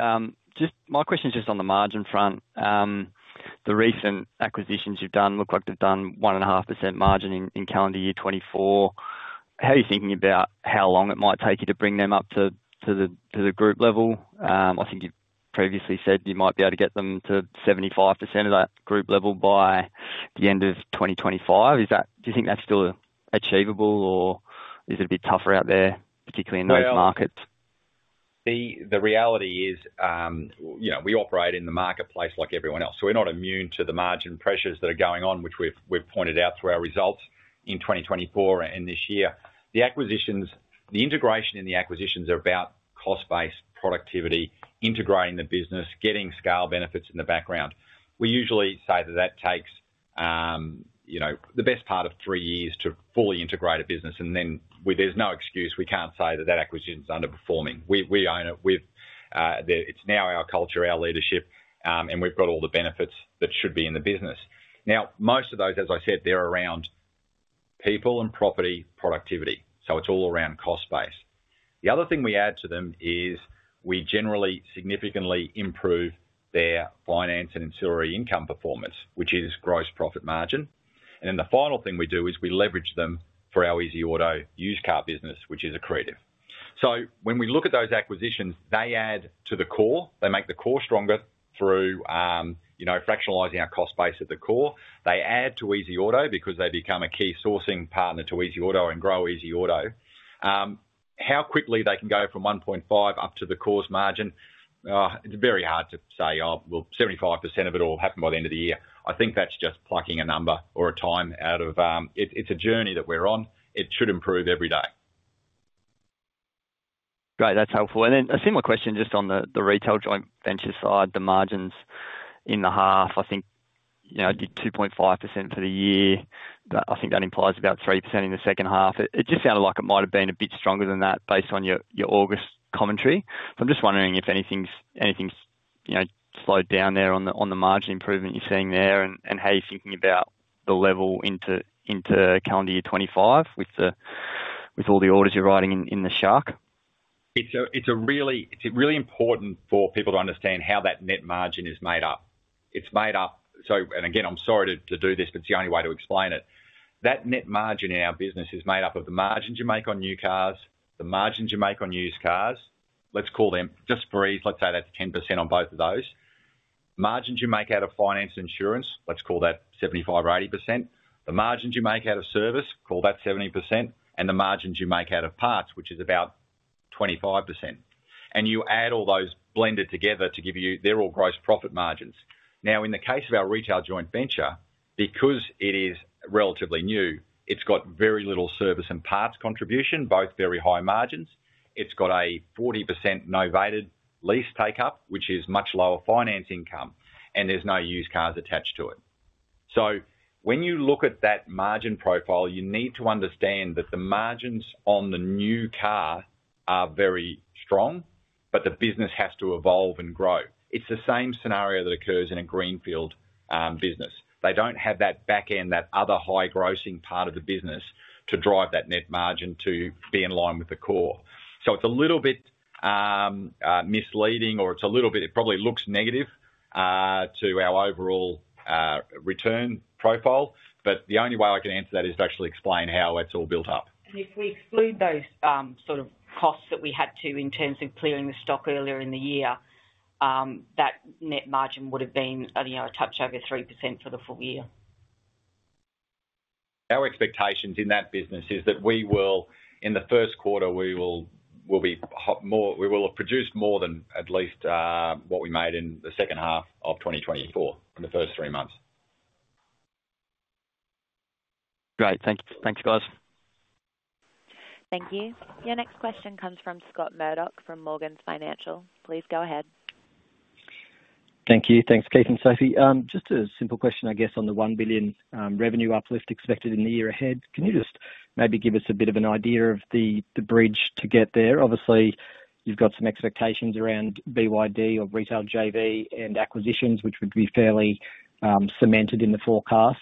My question's just on the margin front. The recent acquisitions you've done look like they've done 1.5% margin in calendar year 2024. How are you thinking about how long it might take you to bring them up to the group level? I think you previously said you might be able to get them to 75% of that group level by the end of 2025. Do you think that's still achievable, or is it a bit tougher out there, particularly in those markets? The reality is we operate in the marketplace like everyone else. So we're not immune to the margin pressures that are going on, which we've pointed out through our results in 2024 and this year. The integration in the acquisitions are about cost-based productivity, integrating the business, getting scale benefits in the background. We usually say that that takes the best part of three years to fully integrate a business. And then there's no excuse. We can't say that that acquisition's underperforming. We own it. It's now our culture, our leadership, and we've got all the benefits that should be in the business. Now, most of those, as I said, they're around people and property productivity. So it's all around cost-based. The other thing we add to them is we generally significantly improve their finance and ancillary income performance, which is gross profit margin. Then the final thing we do is we leverage them for our EasyAuto used car business, which is accretive. So when we look at those acquisitions, they add to the core. They make the core stronger through fractionalizing our cost base at the core. They add to EasyAuto because they become a key sourcing partner to EasyAuto and grow EasyAuto. How quickly they can go from 1.5 up to the core's margin, it's very hard to say, "Well, 75% of it will happen by the end of the year." I think that's just plucking a number or a time out of thin air. It's a journey that we're on. It should improve every day. Right. That's helpful. Then a similar question just on the retail joint venture side, the margins in the half. I think you did 2.5% for the year. I think that implies about 3% in the second half. It just sounded like it might have been a bit stronger than that based on your August commentary. So I'm just wondering if anything's slowed down there on the margin improvement you're seeing there and how you're thinking about the level into calendar year 2025 with all the orders you're writing in the Shark. It's really important for people to understand how that net margin is made up. It's made up, and again, I'm sorry to do this, but it's the only way to explain it. That net margin in our business is made up of the margins you make on new cars, the margins you make on used cars. Let's call them just breeze. Let's say that's 10% on both of those. Margins you make out of finance and insurance, let's call that 75% or 80%. The margins you make out of service, call that 70%, and the margins you make out of parts, which is about 25%. And you add all those blended together to give you they're all gross profit margins. Now, in the case of our retail joint venture, because it is relatively new, it's got very little service and parts contribution, both very high margins. It's got a 40% novated lease take-up, which is much lower finance income, and there's no used cars attached to it. So when you look at that margin profile, you need to understand that the margins on the new car are very strong, but the business has to evolve and grow. It's the same scenario that occurs in a greenfield business. They don't have that back end, that other high grossing part of the business to drive that net margin to be in line with the core. So it's a little bit misleading, or it's a little bit it probably looks negative to our overall return profile. But the only way I can answer that is to actually explain how it's all built up. And if we exclude those sort of costs that we had to in terms of clearing the stock earlier in the year, that net margin would have been a touch over 3% for the full year. Our expectations in that business is that we will, in the first quarter, we will have produced more than at least what we made in the second half of 2024 in the first three months. Great. Thanks, guys. Thank you. Your next question comes from Scott Murdoch from Morgans Financial. Please go ahead. Thank you. Thanks, Kate and Sophie. Just a simple question, I guess, on the 1 billion revenue uplift expected in the year ahead. Can you just maybe give us a bit of an idea of the bridge to get there? Obviously, you've got some expectations around BYD or retail JV and acquisitions, which would be fairly cemented in the forecast.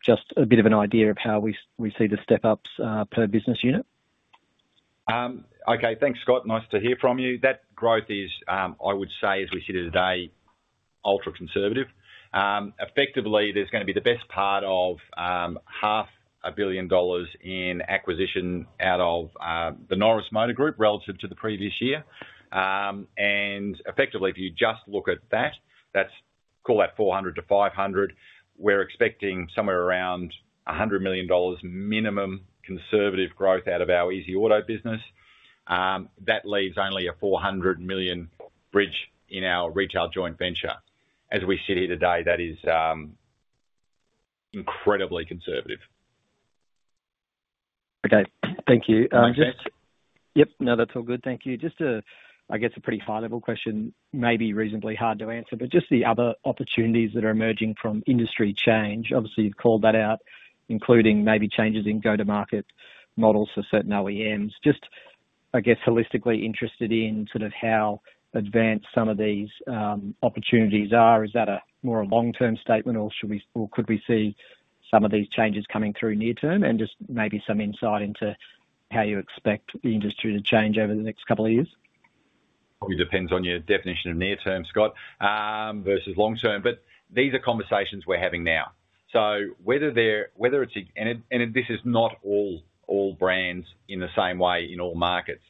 Just a bit of an idea of how we see the step-ups per business unit. Okay. Thanks, Scott. Nice to hear from you. That growth is, I would say, as we see it today, ultra-conservative. Effectively, there's going to be the best part of 500 million dollars in acquisition out of the Norris Motor Group relative to the previous year. And effectively, if you just look at that, that's, call that 400 million-500 million. We're expecting somewhere around 100 million dollars minimum conservative growth out of our EasyAuto business. That leaves only a 400 million bridge in our retail joint venture. As we sit here today, that is incredibly conservative. Okay. Thank you. Yep. No, that's all good. Thank you. Just, I guess, a pretty high-level question, maybe reasonably hard to answer, but just the other opportunities that are emerging from industry change. Obviously, you've called that out, including maybe changes in go-to-market models for certain OEMs. Just, I guess, holistically interested in sort of how advanced some of these opportunities are. Is that more a long-term statement, or could we see some of these changes coming through near-term? And just maybe some insight into how you expect the industry to change over the next couple of years. Probably depends on your definition of near-term, Scott, versus long-term. But these are conversations we're having now. Whether it's, and this is not all brands in the same way in all markets.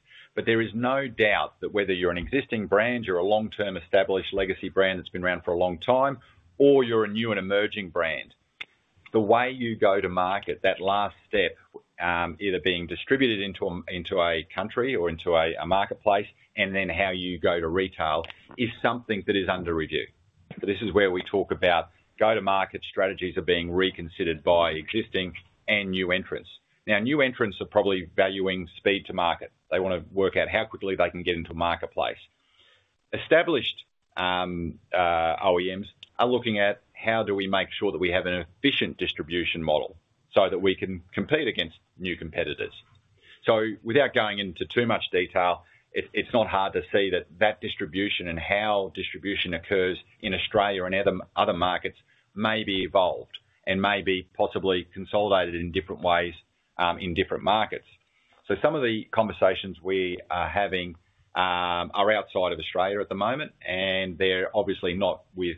There is no doubt that whether you're an existing brand, you're a long-term established legacy brand that's been around for a long time, or you're a new and emerging brand, the way you go to market, that last step, either being distributed into a country or into a marketplace, and then how you go to retail is something that is under review. This is where we talk about go-to-market strategies are being reconsidered by existing and new entrants. Now, new entrants are probably valuing speed to market. They want to work out how quickly they can get into a marketplace. Established OEMs are looking at how do we make sure that we have an efficient distribution model so that we can compete against new competitors. So without going into too much detail, it's not hard to see that that distribution and how distribution occurs in Australia and other markets may be evolved and may be possibly consolidated in different ways in different markets. So some of the conversations we are having are outside of Australia at the moment. And they're obviously not with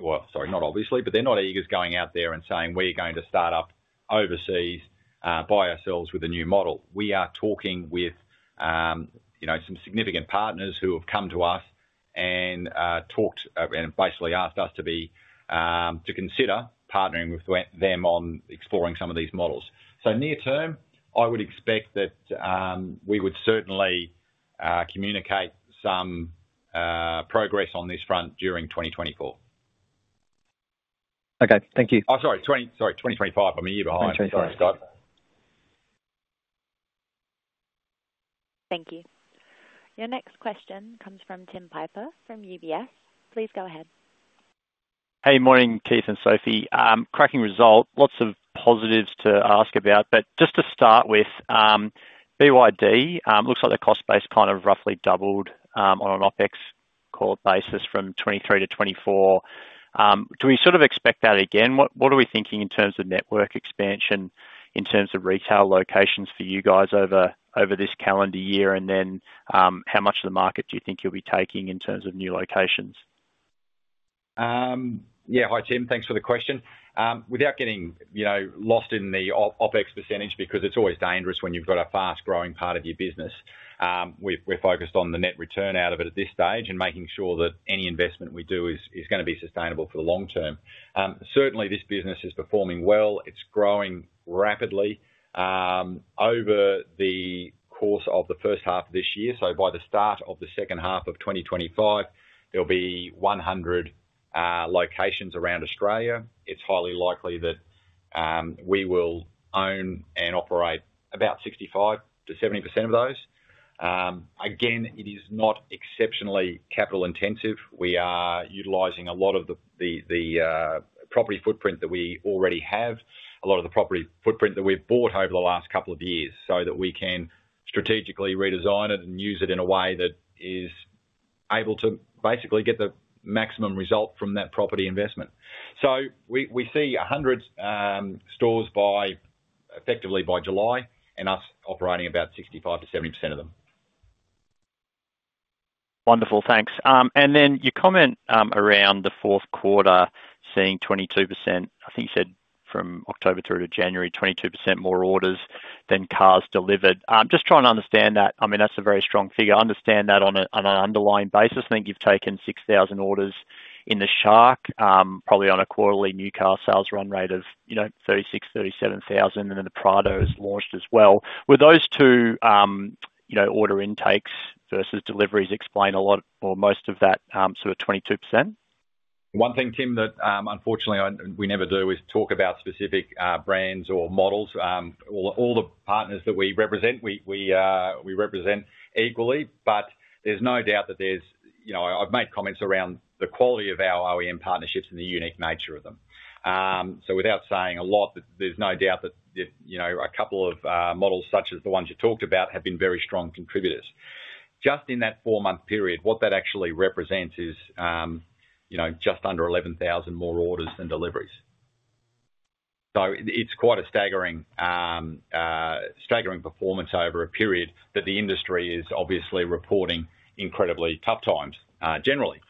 well, sorry, not obviously, but they're not Eagers going out there and saying, "We're going to start up overseas by ourselves with a new model." We are talking with some significant partners who have come to us and talked and basically asked us to consider partnering with them on exploring some of these models. So near-term, I would expect that we would certainly communicate some progress on this front during 2024. Okay. Thank you. Oh, sorry. Sorry. 2025. I'm a year behind. Sorry, Scott. Thank you. Your next question comes from Tim Piper from UBS. Please go ahead. Hey. Morning, Kate and Sophie. Cracking result. Lots of positives to ask about. But just to start with, BYD looks like the cost base kind of roughly doubled on an OpEx core basis from 2023 to 2024. Do we sort of expect that again? What are we thinking in terms of network expansion, in terms of retail locations for you guys over this calendar year? And then how much of the market do you think you'll be taking in terms of new locations? Yeah. Hi, Tim. Thanks for the question. Without getting lost in the OpEx percentage, because it's always dangerous when you've got a fast-growing part of your business, we're focused on the net return out of it at this stage and making sure that any investment we do is going to be sustainable for the long term. Certainly, this business is performing well. It's growing rapidly over the course of the first half of this year, so by the start of the second half of 2025, there'll be 100 locations around Australia. It's highly likely that we will own and operate about 65%-70% of those. Again, it is not exceptionally capital-intensive. We are utilizing a lot of the property footprint that we already have, a lot of the property footprint that we've bought over the last couple of years so that we can strategically redesign it and use it in a way that is able to basically get the maximum result from that property investment. So we see 100 stores effectively by July and us operating about 65%-70% of them. Wonderful. Thanks. And then your comment around the fourth quarter seeing 22%, I think you said from October through to January, 22% more orders than cars delivered. Just trying to understand that. I mean, that's a very strong figure. I understand that on an underlying basis. I think you've taken 6,000 orders in the Shark, probably on a quarterly new car sales run rate of 36,000, 37,000, and then the Prado has launched as well. Would those two order intakes versus deliveries explain a lot or most of that sort of 22%? One thing, Tim, that unfortunately we never do is talk about specific brands or models. All the partners that we represent, we represent equally. But there's no doubt that I've made comments around the quality of our OEM partnerships and the unique nature of them. So without saying a lot, there's no doubt that a couple of models such as the ones you talked about have been very strong contributors. Just in that four-month period, what that actually represents is just under 11,000 more orders than deliveries. So it's quite a staggering performance over a period that the industry is obviously reporting incredibly tough times generally.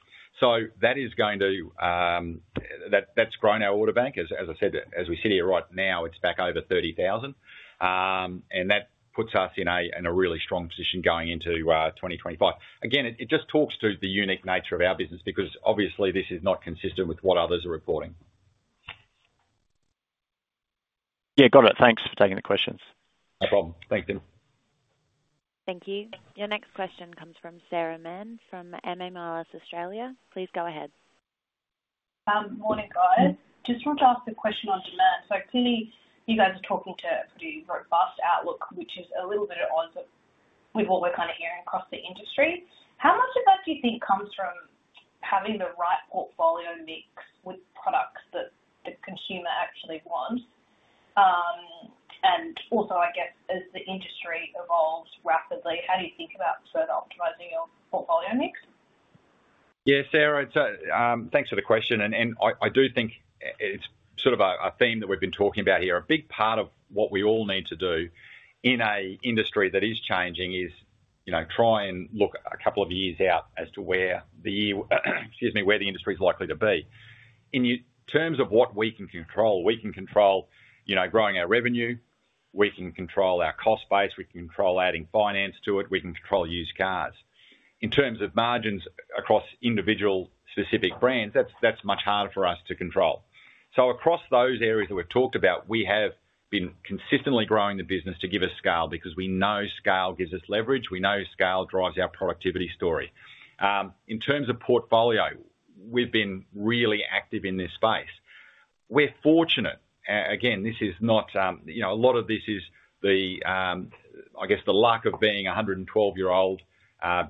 So that is going to grow our order bank. As I said, as we sit here right now, it's back over 30,000. And that puts us in a really strong position going into 2025. Again, it just talks to the unique nature of our business because obviously this is not consistent with what others are reporting. Yeah. Got it. Thanks for taking the questions. No problem. Thanks, Tim. Thank you. Your next question comes from Sarah Mann from MA Moelis Australia. Please go ahead. Morning, guys. Just wanted to ask a question on demand. So clearly, you guys are talking to a pretty robust outlook, which is a little bit at odds with what we're kind of hearing across the industry. How much of that do you think comes from having the right portfolio mix with products that the consumer actually wants? And also, I guess, as the industry evolves rapidly, how do you think about further optimizing your portfolio mix? Yeah, Sarah, thanks for the question. I do think it's sort of a theme that we've been talking about here. A big part of what we all need to do in an industry that is changing is try and look a couple of years out as to where the industry is likely to be. In terms of what we can control, we can control growing our revenue. We can control our cost base. We can control adding finance to it. We can control used cars. In terms of margins across individual specific brands, that's much harder for us to control. So across those areas that we've talked about, we have been consistently growing the business to give us scale because we know scale gives us leverage. We know scale drives our productivity story. In terms of portfolio, we've been really active in this space. We're fortunate. Again, this is not a lot of, I guess, the luck of being a 112-year-old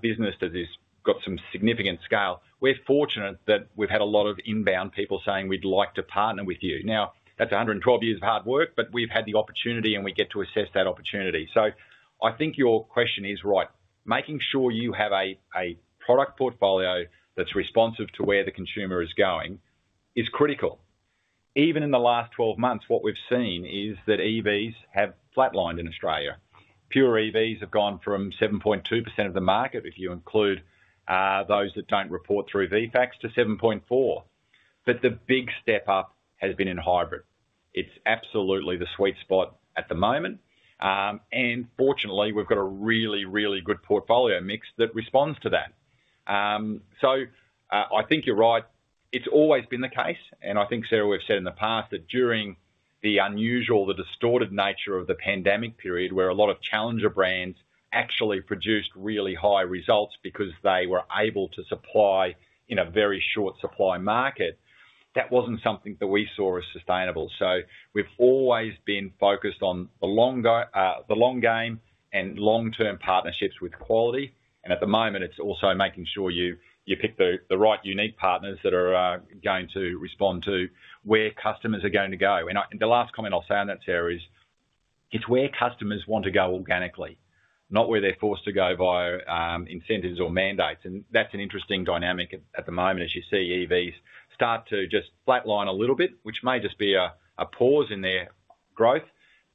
business that has got some significant scale. We're fortunate that we've had a lot of inbound people saying, "We'd like to partner with you." Now, that's 112 years of hard work, but we've had the opportunity and we get to assess that opportunity, so I think your question is right. Making sure you have a product portfolio that's responsive to where the consumer is going is critical. Even in the last 12 months, what we've seen is that EVs have flatlined in Australia. Pure EVs have gone from 7.2% of the market, if you include those that don't report through VFACTS, to 7.4%, but the big step-up has been in hybrid. It's absolutely the sweet spot at the moment. Fortunately, we've got a really, really good portfolio mix that responds to that. I think you're right. It's always been the case. I think, Sarah, we've said in the past that during the unusual, the distorted nature of the pandemic period, where a lot of challenger brands actually produced really high results because they were able to supply in a very short supply market, that wasn't something that we saw as sustainable. We've always been focused on the long game and long-term partnerships with quality. At the moment, it's also making sure you pick the right unique partners that are going to respond to where customers are going to go. The last comment I'll say on that, Sarah, is it's where customers want to go organically, not where they're forced to go via incentives or mandates. That's an interesting dynamic at the moment as you see EVs start to just flatline a little bit, which may just be a pause in their growth,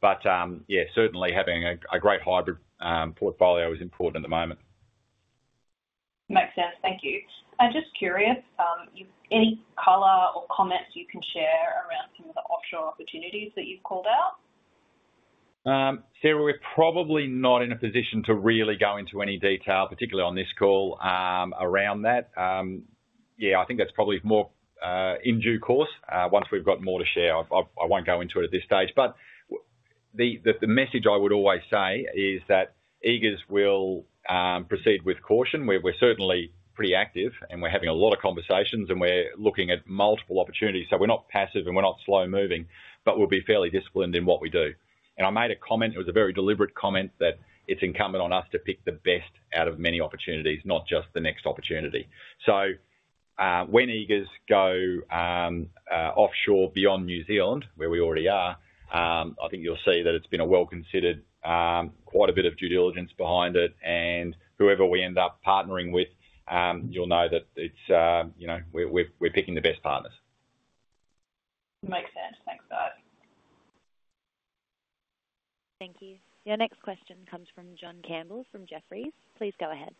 but yeah, certainly having a great hybrid portfolio is important at the moment. Makes sense. Thank you. I'm just curious, any color or comments you can share around some of the offshore opportunities that you've called out? Sarah, we're probably not in a position to really go into any detail, particularly on this call, around that. Yeah, I think that's probably more in due course. Once we've got more to share, I won't go into it at this stage, but the message I would always say is that Eagers will proceed with caution. We're certainly pretty active, and we're having a lot of conversations, and we're looking at multiple opportunities. So we're not passive, and we're not slow-moving, but we'll be fairly disciplined in what we do. And I made a comment. It was a very deliberate comment that it's incumbent on us to pick the best out of many opportunities, not just the next opportunity. So when Eagers go offshore beyond New Zealand, where we already are, I think you'll see that it's been a well-considered, quite a bit of due diligence behind it. And whoever we end up partnering with, you'll know that we're picking the best partners. Makes sense. Thanks for that. Thank you. Your next question comes from John Campbell from Jefferies. Please go ahead.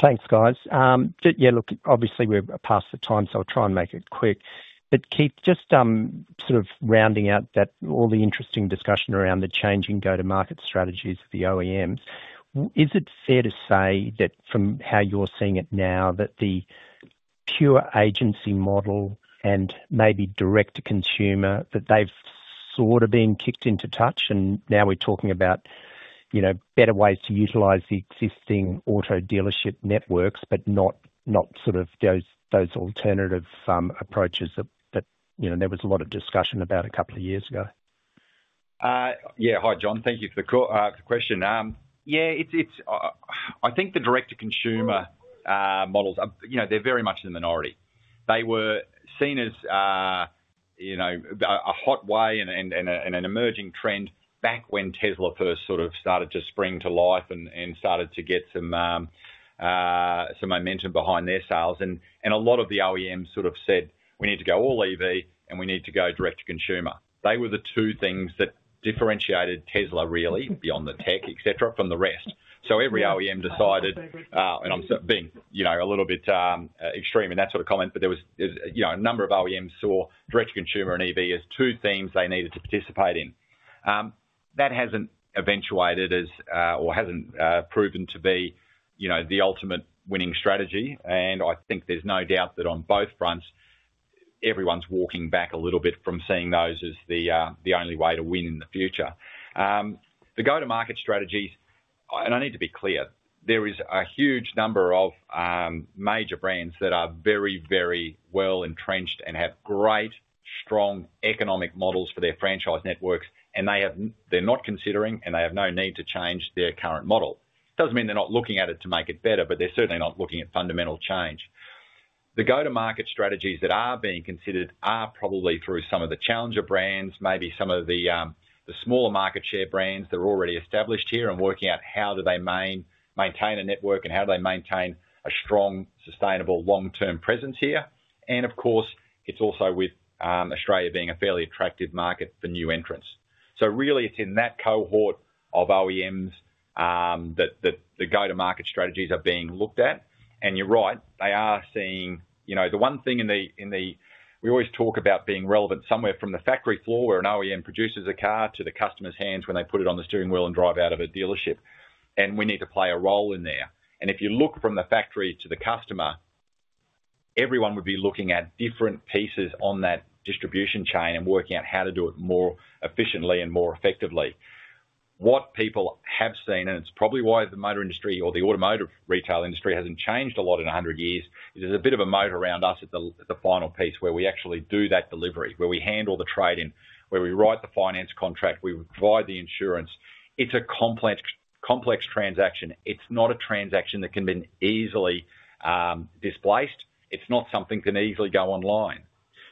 Thanks, guys. Yeah, look, obviously we're past the time, so I'll try and make it quick. But Keith, just sort of rounding out all the interesting discussion around the changing go-to-market strategies of the OEMs, is it fair to say that from how you're seeing it now, that the pure agency model and maybe direct-to-consumer, that they've sort of been kicked into touch? And now we're talking about better ways to utilize the existing auto dealership networks, but not sort of those alternative approaches that there was a lot of discussion about a couple of years ago. Yeah. Hi, John. Thank you for the question. Yeah, I think the direct-to-consumer models, they're very much in the minority. They were seen as a hot way and an emerging trend back when Tesla first sort of started to spring to life and started to get some momentum behind their sales. A lot of the OEMs sort of said, "We need to go all EV, and we need to go direct-to-consumer." They were the two things that differentiated Tesla, really, beyond the tech, etc., from the rest. Every OEM decided and I'm being a little bit extreme in that sort of comment, but there was a number of OEMs who saw direct-to-consumer and EV as two themes they needed to participate in. That hasn't eventuated or hasn't proven to be the ultimate winning strategy. I think there's no doubt that on both fronts, everyone's walking back a little bit from seeing those as the only way to win in the future. The go-to-market strategies, and I need to be clear, there is a huge number of major brands that are very, very well entrenched and have great, strong economic models for their franchise networks. They're not considering, and they have no need to change their current model. It doesn't mean they're not looking at it to make it better, but they're certainly not looking at fundamental change. The go-to-market strategies that are being considered are probably through some of the challenger brands, maybe some of the smaller market share brands that are already established here and working out how do they maintain a network and how do they maintain a strong, sustainable, long-term presence here. And of course, it's also with Australia being a fairly attractive market for new entrants. Really, it's in that cohort of OEMs that the go-to-market strategies are being looked at. And you're right, they are seeing the one thing in the way we always talk about: being relevant somewhere from the factory floor where an OEM produces a car to the customer's hands when they put it on the steering wheel and drive out of a dealership. And we need to play a role in there. And if you look from the factory to the customer, everyone would be looking at different pieces on that distribution chain and working out how to do it more efficiently and more effectively. What people have seen, and it's probably why the motor industry or the automotive retail industry hasn't changed a lot in 100 years, is there's a bit of a moat around us at the final piece where we actually do that delivery, where we handle the trading, where we write the finance contract, we provide the insurance. It's a complex transaction. It's not a transaction that can be easily displaced. It's not something that can easily go online.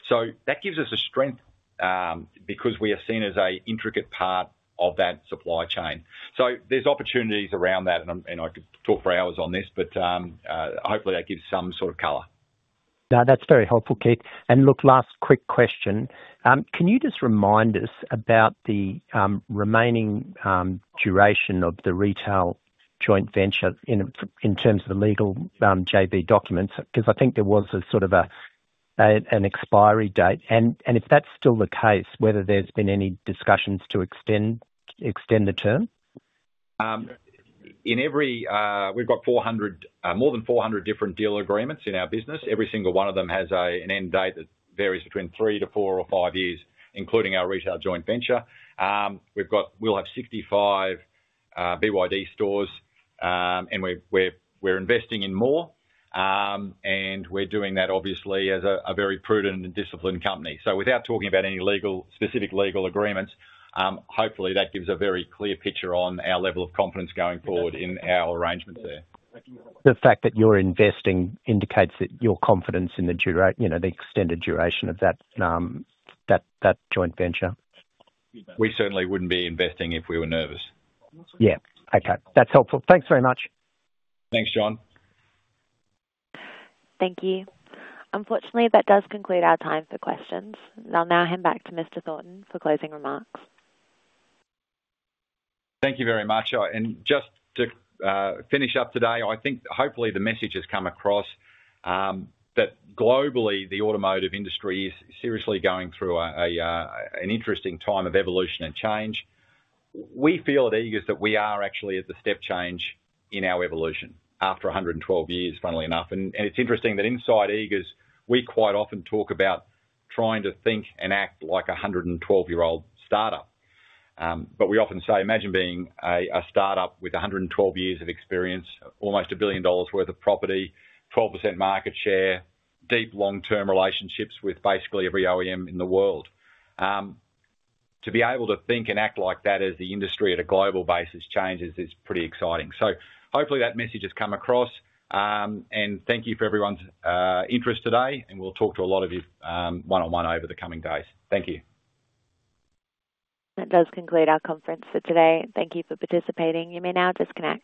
So that gives us a strength because we are seen as an intricate part of that supply chain. So there's opportunities around that. And I could talk for hours on this, but hopefully that gives some sort of color. That's very helpful, Keith. And look, last quick question. Can you just remind us about the remaining duration of the retail joint venture in terms of the legal JV documents? Because I think there was sort of an expiry date. And if that's still the case, whether there's been any discussions to extend the term? We've got more than 400 different deal agreements in our business. Every single one of them has an end date that varies between three to four or five years, including our retail joint venture. We'll have 65 BYD stores, and we're investing in more. And we're doing that, obviously, as a very prudent and disciplined company. So without talking about any specific legal agreements, hopefully that gives a very clear picture on our level of confidence going forward in our arrangements there. The fact that you're investing indicates that your confidence in the extended duration of that joint venture. We certainly wouldn't be investing if we were nervous. Yeah. Okay. That's helpful. Thanks very much. Thanks, John. Thank you. Unfortunately, that does conclude our time for questions. I'll now hand back to Mr. Thornton for closing remarks. Thank you very much. And just to finish up today, I think hopefully the message has come across that globally, the automotive industry is seriously going through an interesting time of evolution and change. We feel at Eagers that we are actually at the step change in our evolution after 112 years, funnily enough. And it's interesting that inside Eagers, we quite often talk about trying to think and act like a 112-year-old startup. But we often say, "Imagine being a startup with 112 years of experience, almost a billion dollars worth of property, 12% market share, deep long-term relationships with basically every OEM in the world." To be able to think and act like that as the industry at a global basis changes is pretty exciting. So hopefully that message has come across. And thank you for everyone's interest today. And we'll talk to a lot of you one-on-one over the coming days. Thank you. That does conclude our conference for today. Thank you for participating. You may now disconnect.